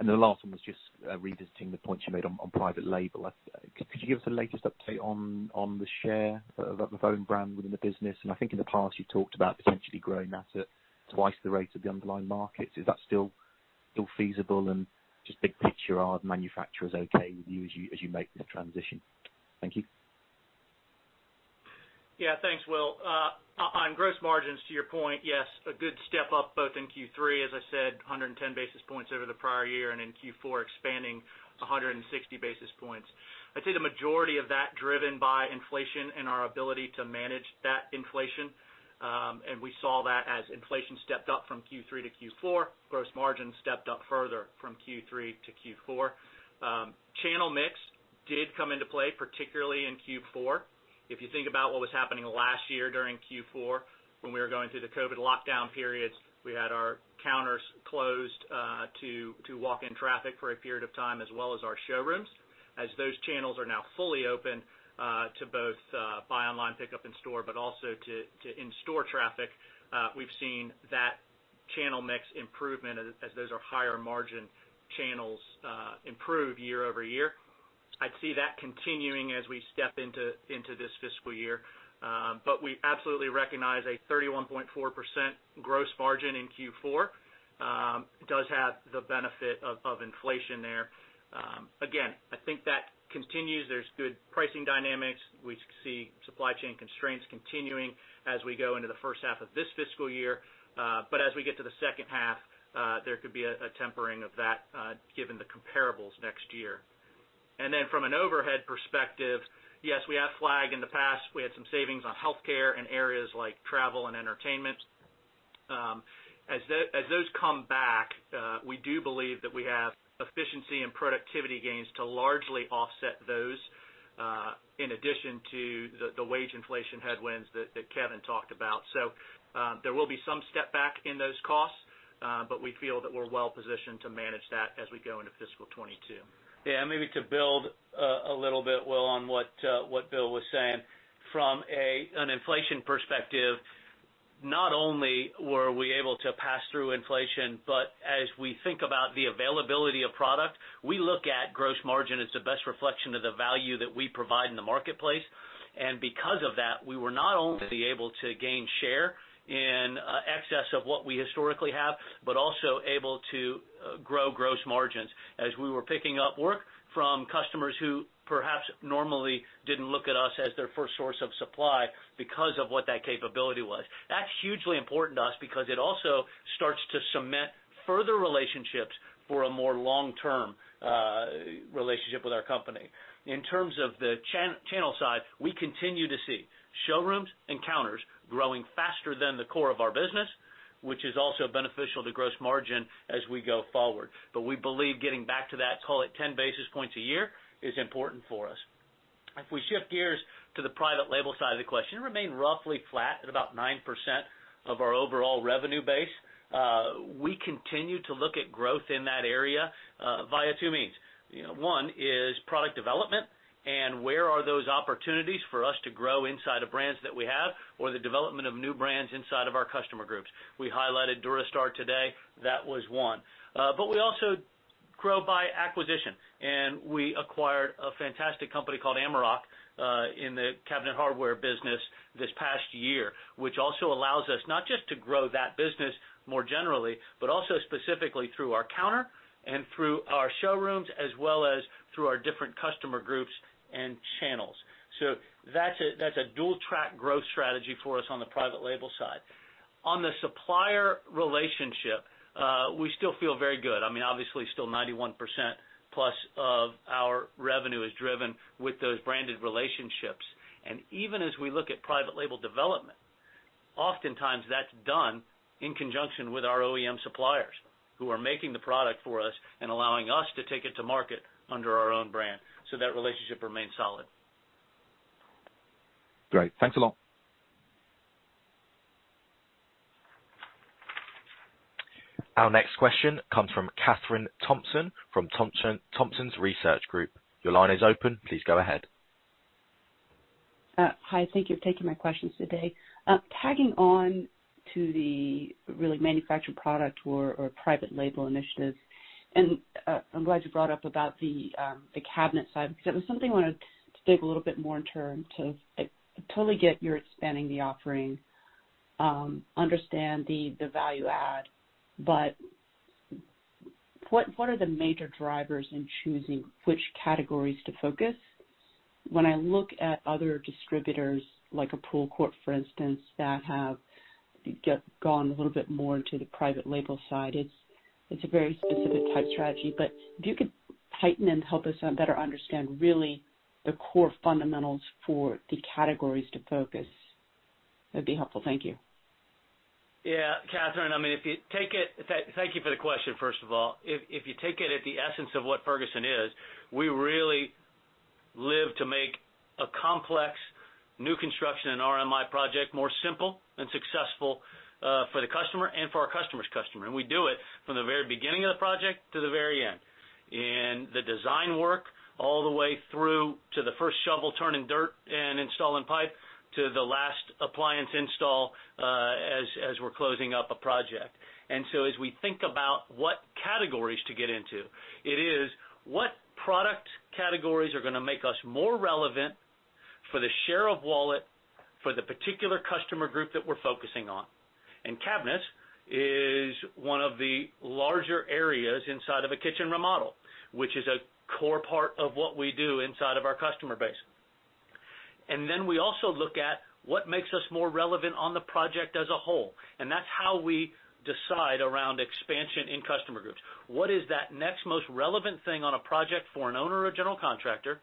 The last one was just revisiting the point you made on private label. Could you give us the latest update on the share of own brand within the business? I think in the past you talked about potentially growing that at twice the rate of the underlying markets. Is that still feasible and just big picture, are the manufacturers okay with you as you make this transition? Thank you. Yeah. Thanks, Will. On gross margins, to your point, yes, a good step up both in Q3, as I said, 110 basis points over the prior year, and in Q4 expanding 160 basis points. I'd say the majority of that driven by inflation and our ability to manage that inflation. We saw that as inflation stepped up from Q3 to Q4, gross margin stepped up further from Q3 to Q4. Channel mix did come into play, particularly in Q4. If you think about what was happening last year during Q4, when we were going through the COVID lockdown periods, we had our counters closed to walk-in traffic for a period of time, as well as our showrooms. As those channels are now fully open to both buy online, pick up in store, but also to in-store traffic, we've seen that channel mix improvement as those are higher margin channels improve year-over-year. I'd see that continuing as we step into this fiscal year. We absolutely recognize a 31.4% gross margin in Q4. It does have the benefit of inflation there. Again, I think that continues. There's good pricing dynamics. We see supply chain constraints continuing as we go into the first half of this fiscal year. As we get to the second half, there could be a tempering of that given the comparables next year. From an overhead perspective, yes, we have flagged in the past, we had some savings on healthcare in areas like travel and entertainment. As those come back, we do believe that we have efficiency and productivity gains to largely offset those, in addition to the wage inflation headwinds that Kevin talked about. There will be some stepback in those costs, but we feel that we're well-positioned to manage that as we go into fiscal 2022. Maybe to build a little bit, Will, on what Bill was saying. From an inflation perspective, not only were we able to pass through inflation, but as we think about the availability of product, we look at gross margin as the best reflection of the value that we provide in the marketplace. Because of that, we were not only able to gain share in excess of what we historically have, but also able to grow gross margins as we were picking up work from customers who perhaps normally didn't look at us as their 1st source of supply because of what that capability was. That's hugely important to us because it also starts to cement further relationships for a more long-term relationship with our company. In terms of the channel side, we continue to see showrooms and counters growing faster than the core of our business, which is also beneficial to gross margin as we go forward. We believe getting back to that, call it 10 basis points a year, is important for us. If we shift gears to the private label side of the question, it remained roughly flat at about 9% of our overall revenue base. We continue to look at growth in that area via two means. One is product development and where are those opportunities for us to grow inside the brands that we have or the development of new brands inside of our customer groups. We highlighted Durastar today. That was one. We also grow by acquisition, and we acquired a fantastic company called Amerock in the cabinet hardware business this past year, which also allows us not just to grow that business more generally, but also specifically through our counter and through our showrooms, as well as through our different customer groups and channels. That's a dual-track growth strategy for us on the private label side. On the supplier relationship, we still feel very good. Obviously, still 91%+ of our revenue is driven with those branded relationships. Even as we look at private label development, oftentimes that's done in conjunction with our OEM suppliers who are making the product for us and allowing us to take it to market under our own brand. That relationship remains solid. Great. Thanks a lot. Our next question comes from Kathryn Thompson from Thompson Research Group. Your line is open. Please go ahead. Hi, thank you for taking my questions today. Tagging on to the really manufactured product or private label initiatives, and I'm glad you brought up about the cabinet side because that was something I wanted to dig a little bit more. I totally get you're expanding the offering, understand the value add, but what are the major drivers in choosing which categories to focus? When I look at other distributors, like a Pool Corporation, for instance, that have gone a little bit more into the private label side, it's a very specific type strategy. If you could heighten and help us better understand really the core fundamentals for the categories to focus, that'd be helpful. Thank you. Yeah. Kathryn, thank you for the question, 1st of all. If you take it at the essence of what Ferguson is, we really live to make a complex new construction and RMI project more simple and successful, for the customer and for our customer's customer. We do it from the very beginning of the project to the very end. In the design work all the way through to the 1st shovel turning dirt and installing pipe to the last appliance install, as we're closing up a project. As we think about what categories to get into, what product categories are going to make us more relevant for the share of wallet for the particular customer group that we're focusing on? Cabinets is one of the larger areas inside of a kitchen remodel, which is a core part of what we do inside of our customer base. We also look at what makes us more relevant on the project as a whole, and that's how we decide around expansion in customer groups. What is that next most relevant thing on a project for an owner or general contractor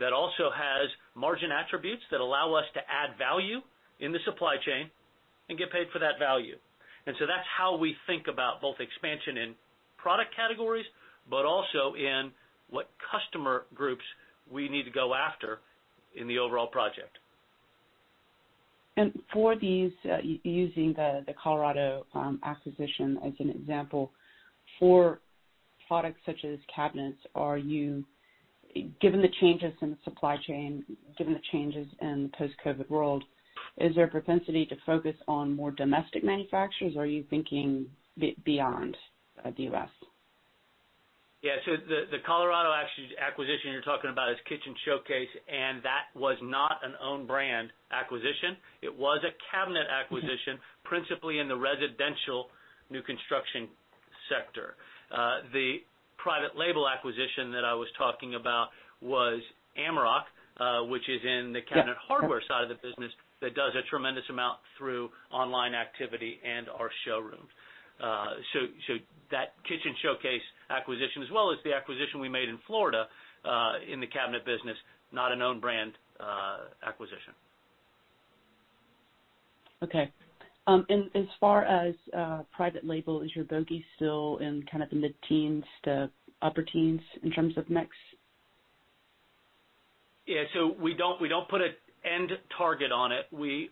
that also has margin attributes that allow us to add value in the supply chain and get paid for that value. That's how we think about both expansion in product categories, but also in what customer groups we need to go after in the overall project. For these, using the Colorado acquisition as an example, for products such as cabinets, given the changes in the supply chain, given the changes in the post-COVID world, is there a propensity to focus on more domestic manufacturers, or are you thinking beyond the U.S.? Yeah. The Colorado acquisition you're talking about is Kitchen Showcase, and that was not an own brand acquisition. It was a cabinet acquisition, principally in the residential new construction sector. The private label acquisition that I was talking about was Amerock, which is in the cabinet hardware side of the business that does a tremendous amount through online activity and our showrooms. That Kitchen Showcase acquisition, as well as the acquisition we made in Florida, in the cabinet business, not an own brand acquisition. Okay. As far as private label, is your bogey still in kind of the mid-teens to upper teens in terms of mix? Yeah, we don't put an end target on it. We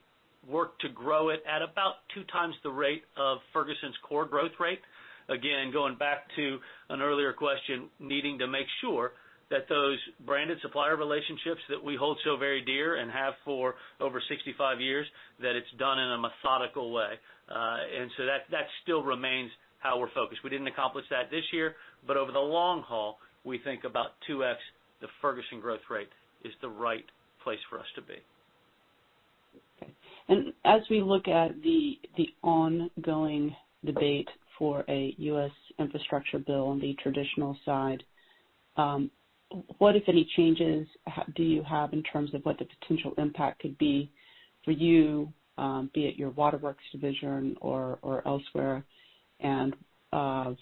work to grow it at about 2 times the rate of Ferguson's core growth rate. Again, going back to an earlier question, needing to make sure that those branded supplier relationships that we hold so very dear and have for over 65 years, that it's done in a methodical way. That still remains how we're focused. We didn't accomplish that this year, over the long haul, we think about 2x the Ferguson growth rate is the right place for us to be. Okay. As we look at the ongoing debate for a U.S. infrastructure bill on the traditional side, what, if any, changes do you have in terms of what the potential impact could be for you, be it your waterworks division or elsewhere, and any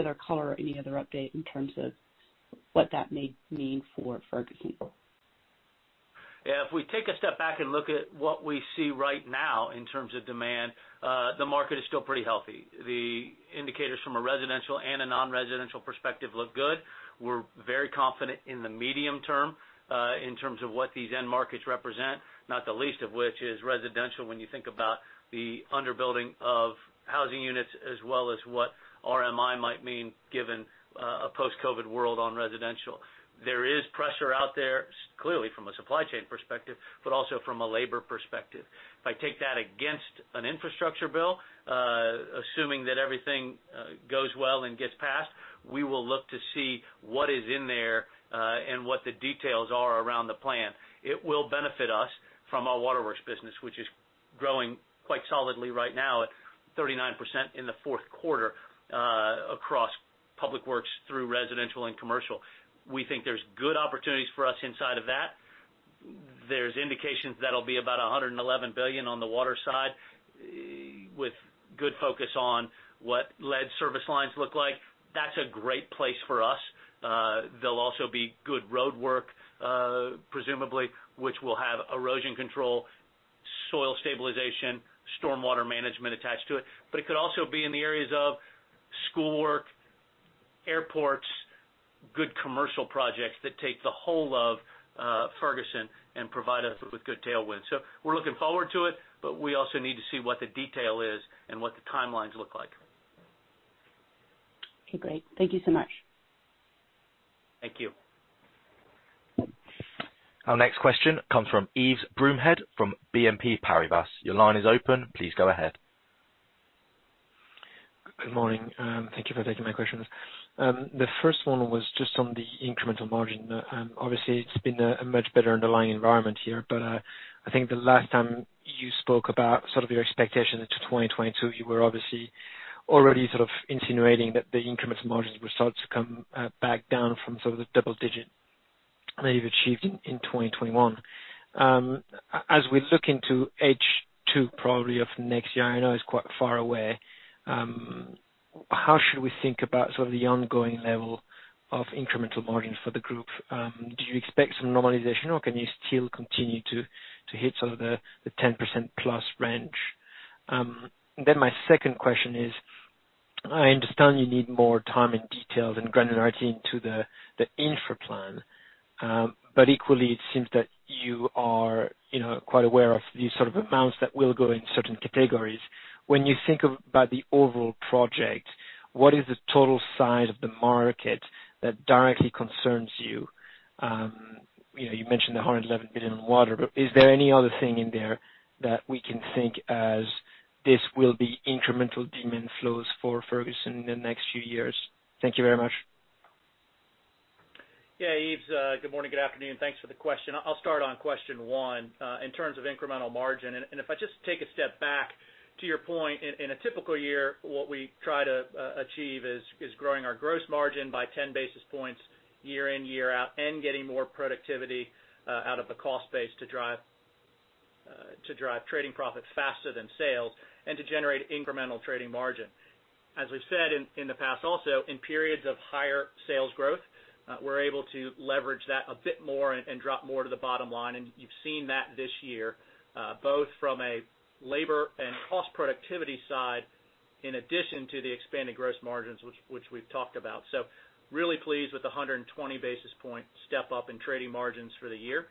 other color or any other update in terms of what that may mean for Ferguson? Yeah. If we take a step back and look at what we see right now in terms of demand, the market is still pretty healthy. The indicators from a residential and a non-residential perspective look good. We're very confident in the medium term, in terms of what these end markets represent, not the least of which is residential, when you think about the under-building of housing units as well as what RMI might mean given a post-COVID world on residential. There is pressure out there, clearly from a supply chain perspective, but also from a labor perspective. If I take that against an infrastructure bill, assuming that everything goes well and gets passed, we will look to see what is in there, and what the details are around the plan. It will benefit us from our waterworks business, which is growing quite solidly right now at 39% in the fourth quarter, across public works through residential and commercial. We think there's good opportunities for us inside of that. There's indications that'll be about $111 billion on the water side with good focus on what lead service lines look like. That's a great place for us. There'll also be good roadwork, presumably, which will have erosion control, soil stabilization, stormwater management attached to it, but it could also be in the areas of schoolwork, airports, good commercial projects that take the whole of Ferguson and provide us with good tailwinds. We're looking forward to it, but we also need to see what the detail is and what the timelines look like. Okay, great. Thank you so much. Thank you. Our next question comes from Yves Bromehead from BNP Paribas. Your line is open. Please go ahead. Good morning. Thank you for taking my questions. The first one was just on the incremental margin. It's been a much better underlying environment here, but I think the last time you spoke about sort of your expectation into 2022, you were obviously already sort of insinuating that the incremental margins would start to come back down from sort of the double-digit that you've achieved in 2021. As we look into H2 probably of next year, I know it's quite far away, how should we think about sort of the ongoing level of incremental margins for the group? Do you expect some normalization, or can you still continue to hit sort of the 10% plus range? My 2nd question is, I understand you need more time and detail and granularity into the infra plan. Equally, it seems that you are quite aware of the sort of amounts that will go in certain categories. When you think about the overall project, what is the total size of the market that directly concerns you? You mentioned the $111 billion in water, but is there any other thing in there that we can think as this will be incremental demand flows for Ferguson in the next few years? Thank you very much. Yves, good morning, good afternoon. Thanks for the question. I'll start on question one. In terms of incremental margin, and if I just take a step back to your point, in a typical year, what we try to achieve is growing our gross margin by 10 basis points year in, year out, and getting more productivity out of the cost base to drive To drive trading profits faster than sales and to generate incremental trading margin. We've said in the past also, in periods of higher sales growth, we're able to leverage that a bit more and drop more to the bottom line. You've seen that this year, both from a labor and cost productivity side, in addition to the expanded gross margins, which we've talked about. Really pleased with the 120 basis point step-up in trading margins for the year.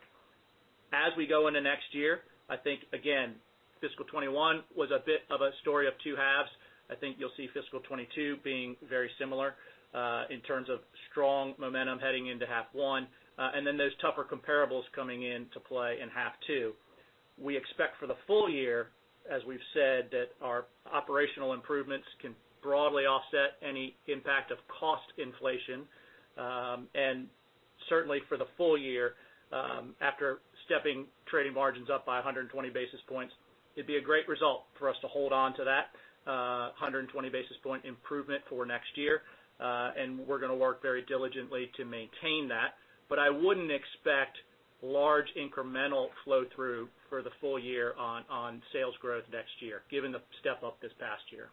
We go into next year, I think, again, fiscal 2021 was a bit of a story of 2 halves. I think you'll see fiscal 2022 being very similar, in terms of strong momentum heading into half 1, and then those tougher comparables coming into play in half 2. We expect for the full year, as we've said, that our operational improvements can broadly offset any impact of cost inflation. Certainly, for the full year, after stepping trading margins up by 120 basis points, it'd be a great result for us to hold on to that, 120 basis point improvement for next year. We're going to work very diligently to maintain that. I wouldn't expect large incremental flow-through for the full year on sales growth next year, given the step-up this past year.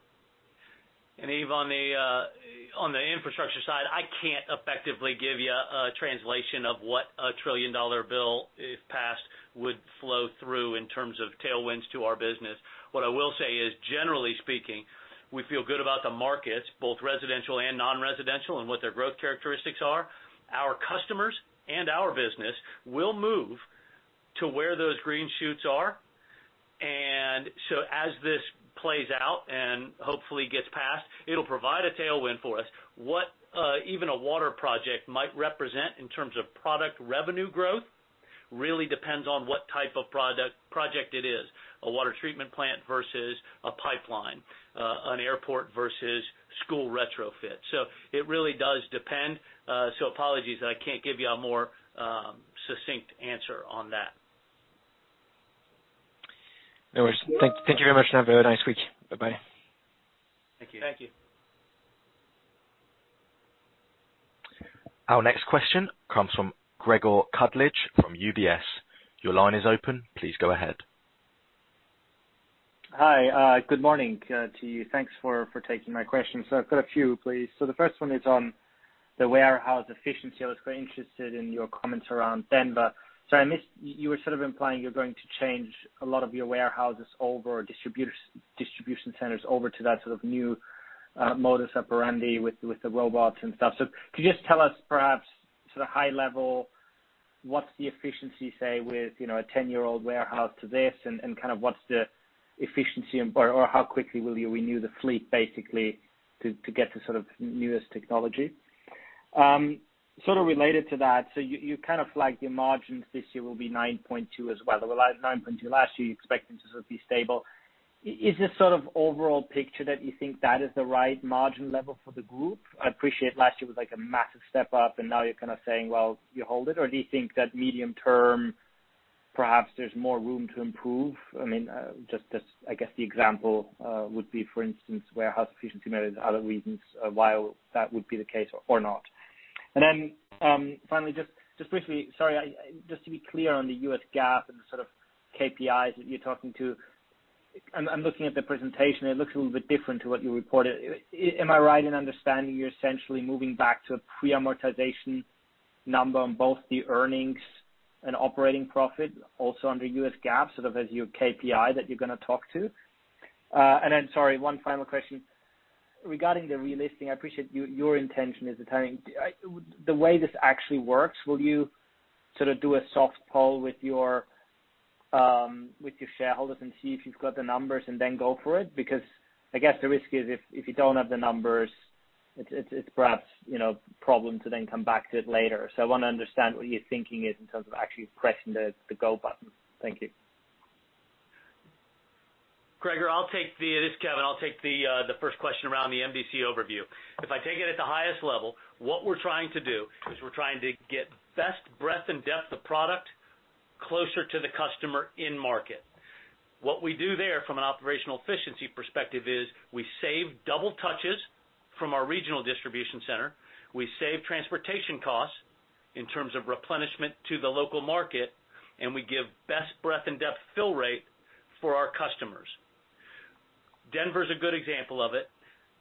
Yves, on the infrastructure side, I can't effectively give you a translation of what a $1 trillion bill, if passed, would flow through in terms of tailwinds to our business. What I will say is, generally speaking, we feel good about the markets, both residential and non-residential, and what their growth characteristics are. Our customers and our business will move to where those green shoots are. As this plays out and hopefully gets passed, it'll provide a tailwind for us. What even a water project might represent in terms of product revenue growth really depends on what type of project it is, a water treatment plant versus a pipeline, an airport versus school retrofit. It really does depend. Apologies that I can't give you a more succinct answer on that. No worries. Thank you very much and have a very nice week. Bye-bye. Thank you. Thank you. Our next question comes from Gregor Kuglitsch from UBS. Your line is open. Please go ahead. Hi. Good morning to you. Thanks for taking my question. I've got a few, please. The 1st one is on the warehouse efficiency. I was quite interested in your comments around Denver. I missed, you were sort of implying you're going to change a lot of your warehouses over or distribution centers over to that sort of new modus operandi with the robots and stuff. Could you just tell us perhaps sort of high level, what's the efficiency, say, with a 10-year-old warehouse to this and kind of what's the efficiency or how quickly will you renew the fleet basically to get to sort of newest technology? Sort of related to that, you kind of flagged your margins this year will be 9.2% as well. They were at 9.2% last year. You expect them to sort of be stable. Is the sort of overall picture that you think that is the right margin level for the group? I appreciate last year was like a massive step up and now you're kind of saying, well, you hold it. Do you think that medium term, perhaps there's more room to improve? I guess the example would be, for instance, warehouse efficiency measures, other reasons why that would be the case or not. Finally, just briefly, sorry, just to be clear on the U.S. GAAP and the sort of KPIs that you're talking to. I'm looking at the presentation, it looks a little bit different to what you reported. Am I right in understanding you're essentially moving back to a pre-amortization number on both the earnings and operating profit, also under U.S. GAAP, sort of as your KPI that you're gonna talk to? Sorry, one final question. Regarding the relisting, I appreciate your intention is the timing. The way this actually works, will you sort of do a soft poll with your shareholders and see if you've got the numbers and then go for it? I guess the risk is if you don't have the numbers, it's perhaps a problem to then come back to it later. I want to understand what your thinking is in terms of actually pressing the go button. Thank you. Gregor, this is Kevin. I'll take the first question around the MDC overview. If I take it at the highest level, what we're trying to do is we're trying to get best breadth and depth of product closer to the customer in market. What we do there from an operational efficiency perspective is we save double touches from our regional distribution center. We save transportation costs in terms of replenishment to the local market, we give best breadth and depth fill rate for our customers. Denver is a good example of it.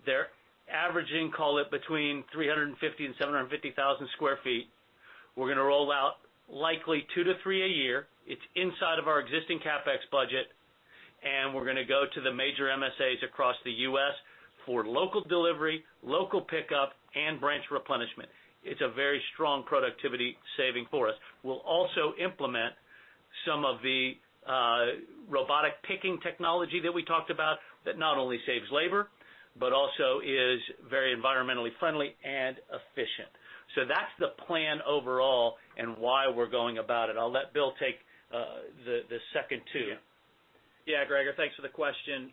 They're averaging, call it between 350,000 sq ft and 750,000 sq ft. We're going to roll out likely two to three a year. It's inside of our existing CapEx budget, we're going to go to the major MSAs across the U.S. for local delivery, local pickup, and branch replenishment. It's a very strong productivity saving for us. We'll also implement some of the robotic picking technology that we talked about that not only saves labor but also is very environmentally friendly and efficient. That's the plan overall and why we're going about it. I'll let Bill take the second 2. Yeah. Gregor, thanks for the question.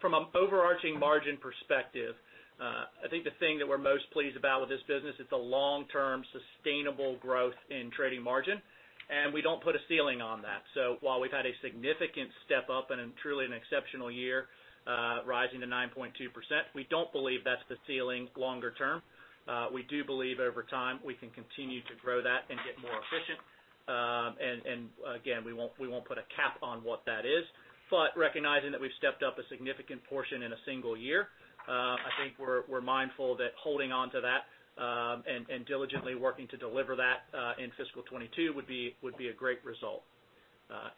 From an overarching margin perspective, I think the thing that we're most pleased about with this business is the long-term sustainable growth in trading margin, and we don't put a ceiling on that. While we've had a significant step up and truly an exceptional year. rising to 9.2%. We don't believe that's the ceiling longer term. We do believe over time, we can continue to grow that and get more efficient. Again, we won't put a cap on what that is. Recognizing that we've stepped up a significant portion in a single year, I think we're mindful that holding onto that, and diligently working to deliver that, in fiscal 2022 would be a great result.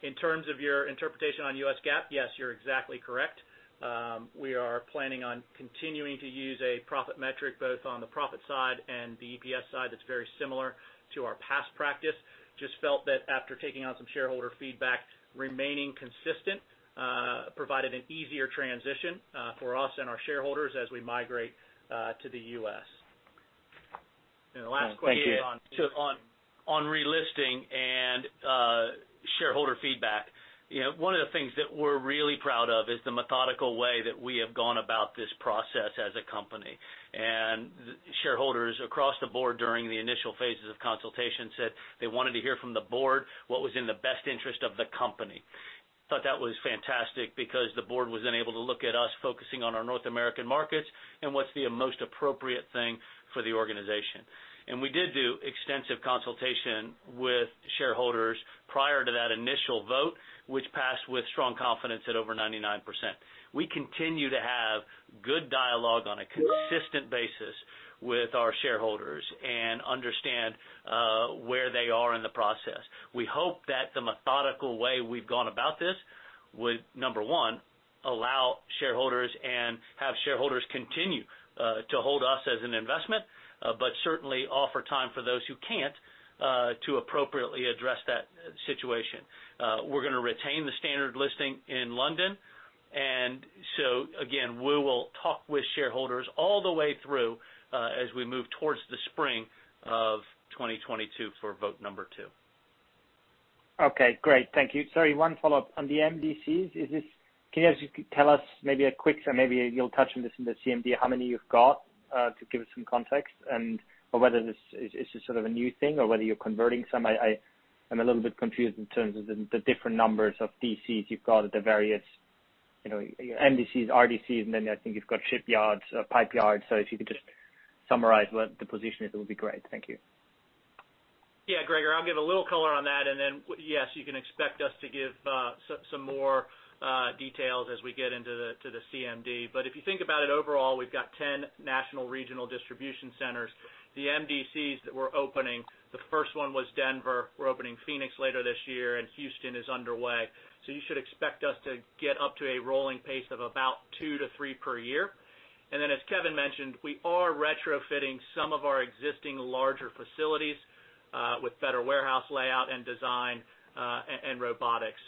In terms of your interpretation on U.S. GAAP, yes, you're exactly correct. We are planning on continuing to use a profit metric both on the profit side and the EPS side that's very similar to our past practice. Just felt that after taking on some shareholder feedback, remaining consistent provided an easier transition for us and our shareholders as we migrate to the U.S. Thank you. on relisting and shareholder feedback. One of the things that we're really proud of is the methodical way that we have gone about this process as a company. Shareholders across the board during the initial phases of consultation said they wanted to hear from the board what was in the best interest of the company. I thought that was fantastic because the board was then able to look at us focusing on our North American markets, and what's the most appropriate thing for the organization. We did do extensive consultation with shareholders prior to that initial vote, which passed with strong confidence at over 99%. We continue to have good dialogue on a consistent basis with our shareholders and understand where they are in the process. We hope that the methodical way we've gone about this would, number one, allow shareholders and have shareholders continue to hold us as an investment, but certainly offer time for those who can't to appropriately address that situation. We're going to retain the standard listing in London. Again, we will talk with shareholders all the way through, as we move towards the spring of 2022 for vote number 2. Okay, great. Thank you. Sorry, one follow-up. On the MDCs, can you tell us maybe a quick, maybe you'll touch on this in the CMD, how many you've got, to give us some context and, or whether this is sort of a new thing or whether you're converting some? I am a little bit confused in terms of the different numbers of DCs you've got at the various MDCs, RDCs, and then I think you've got shipyards, pipe yards. If you could just summarize what the position is, it would be great. Thank you. Yeah, Gregor, I'll give a little color on that, and then yes, you can expect us to give some more details as we get into the CMD. If you think about it, overall, we've got 10 national regional distribution centers. The MDCs that we're opening, the first one was Denver. We're opening Phoenix later this year, and Houston is underway. You should expect us to get up to a rolling pace of about two to three per year. As Kevin mentioned, we are retrofitting some of our existing larger facilities, with better warehouse layout and design, and robotics.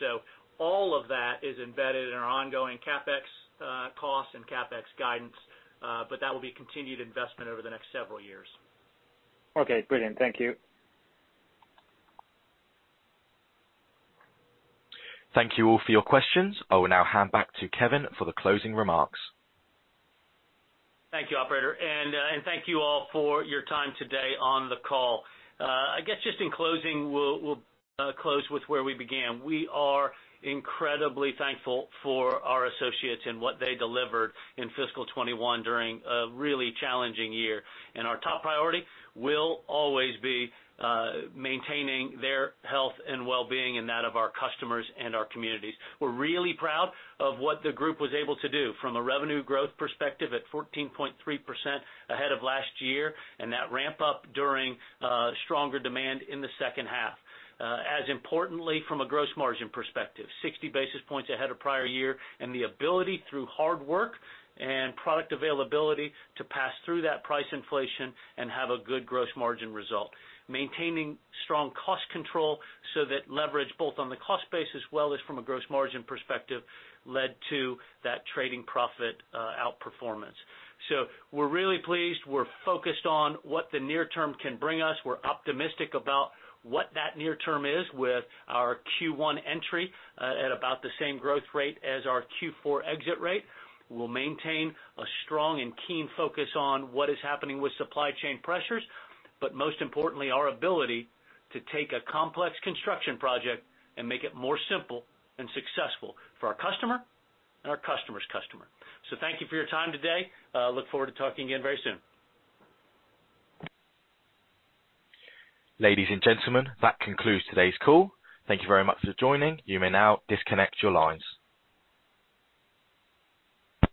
All of that is embedded in our ongoing CapEx costs and CapEx guidance, but that will be continued investment over the next several years. Okay, brilliant. Thank you. Thank you all for your questions. I will now hand back to Kevin for the closing remarks. Thank you, operator. Thank you all for your time today on the call. I guess just in closing, we'll close with where we began. We are incredibly thankful for our associates and what they delivered in fiscal 2021 during a really challenging year. Our top priority will always be maintaining their health and wellbeing and that of our customers and our communities. We're really proud of what the group was able to do from a revenue growth perspective at 14.3% ahead of last year, and that ramp-up during stronger demand in the 2nd half. As importantly from a gross margin perspective, 60 basis points ahead of prior year, and the ability through hard work and product availability to pass through that price inflation and have a good gross margin result. Maintaining strong cost control so that leverage both on the cost base as well as from a gross margin perspective led to that trading profit outperformance. We're really pleased. We're focused on what the near term can bring us. We're optimistic about what that near term is with our Q1 entry, at about the same growth rate as our Q4 exit rate. We'll maintain a strong and keen focus on what is happening with supply chain pressures, but most importantly, our ability to take a complex construction project and make it more simple and successful for our customer and our customer's customer. Thank you for your time today. Look forward to talking again very soon. Ladies and gentlemen, that concludes today's call. Thank you very much for joining. You may now disconnect your lines.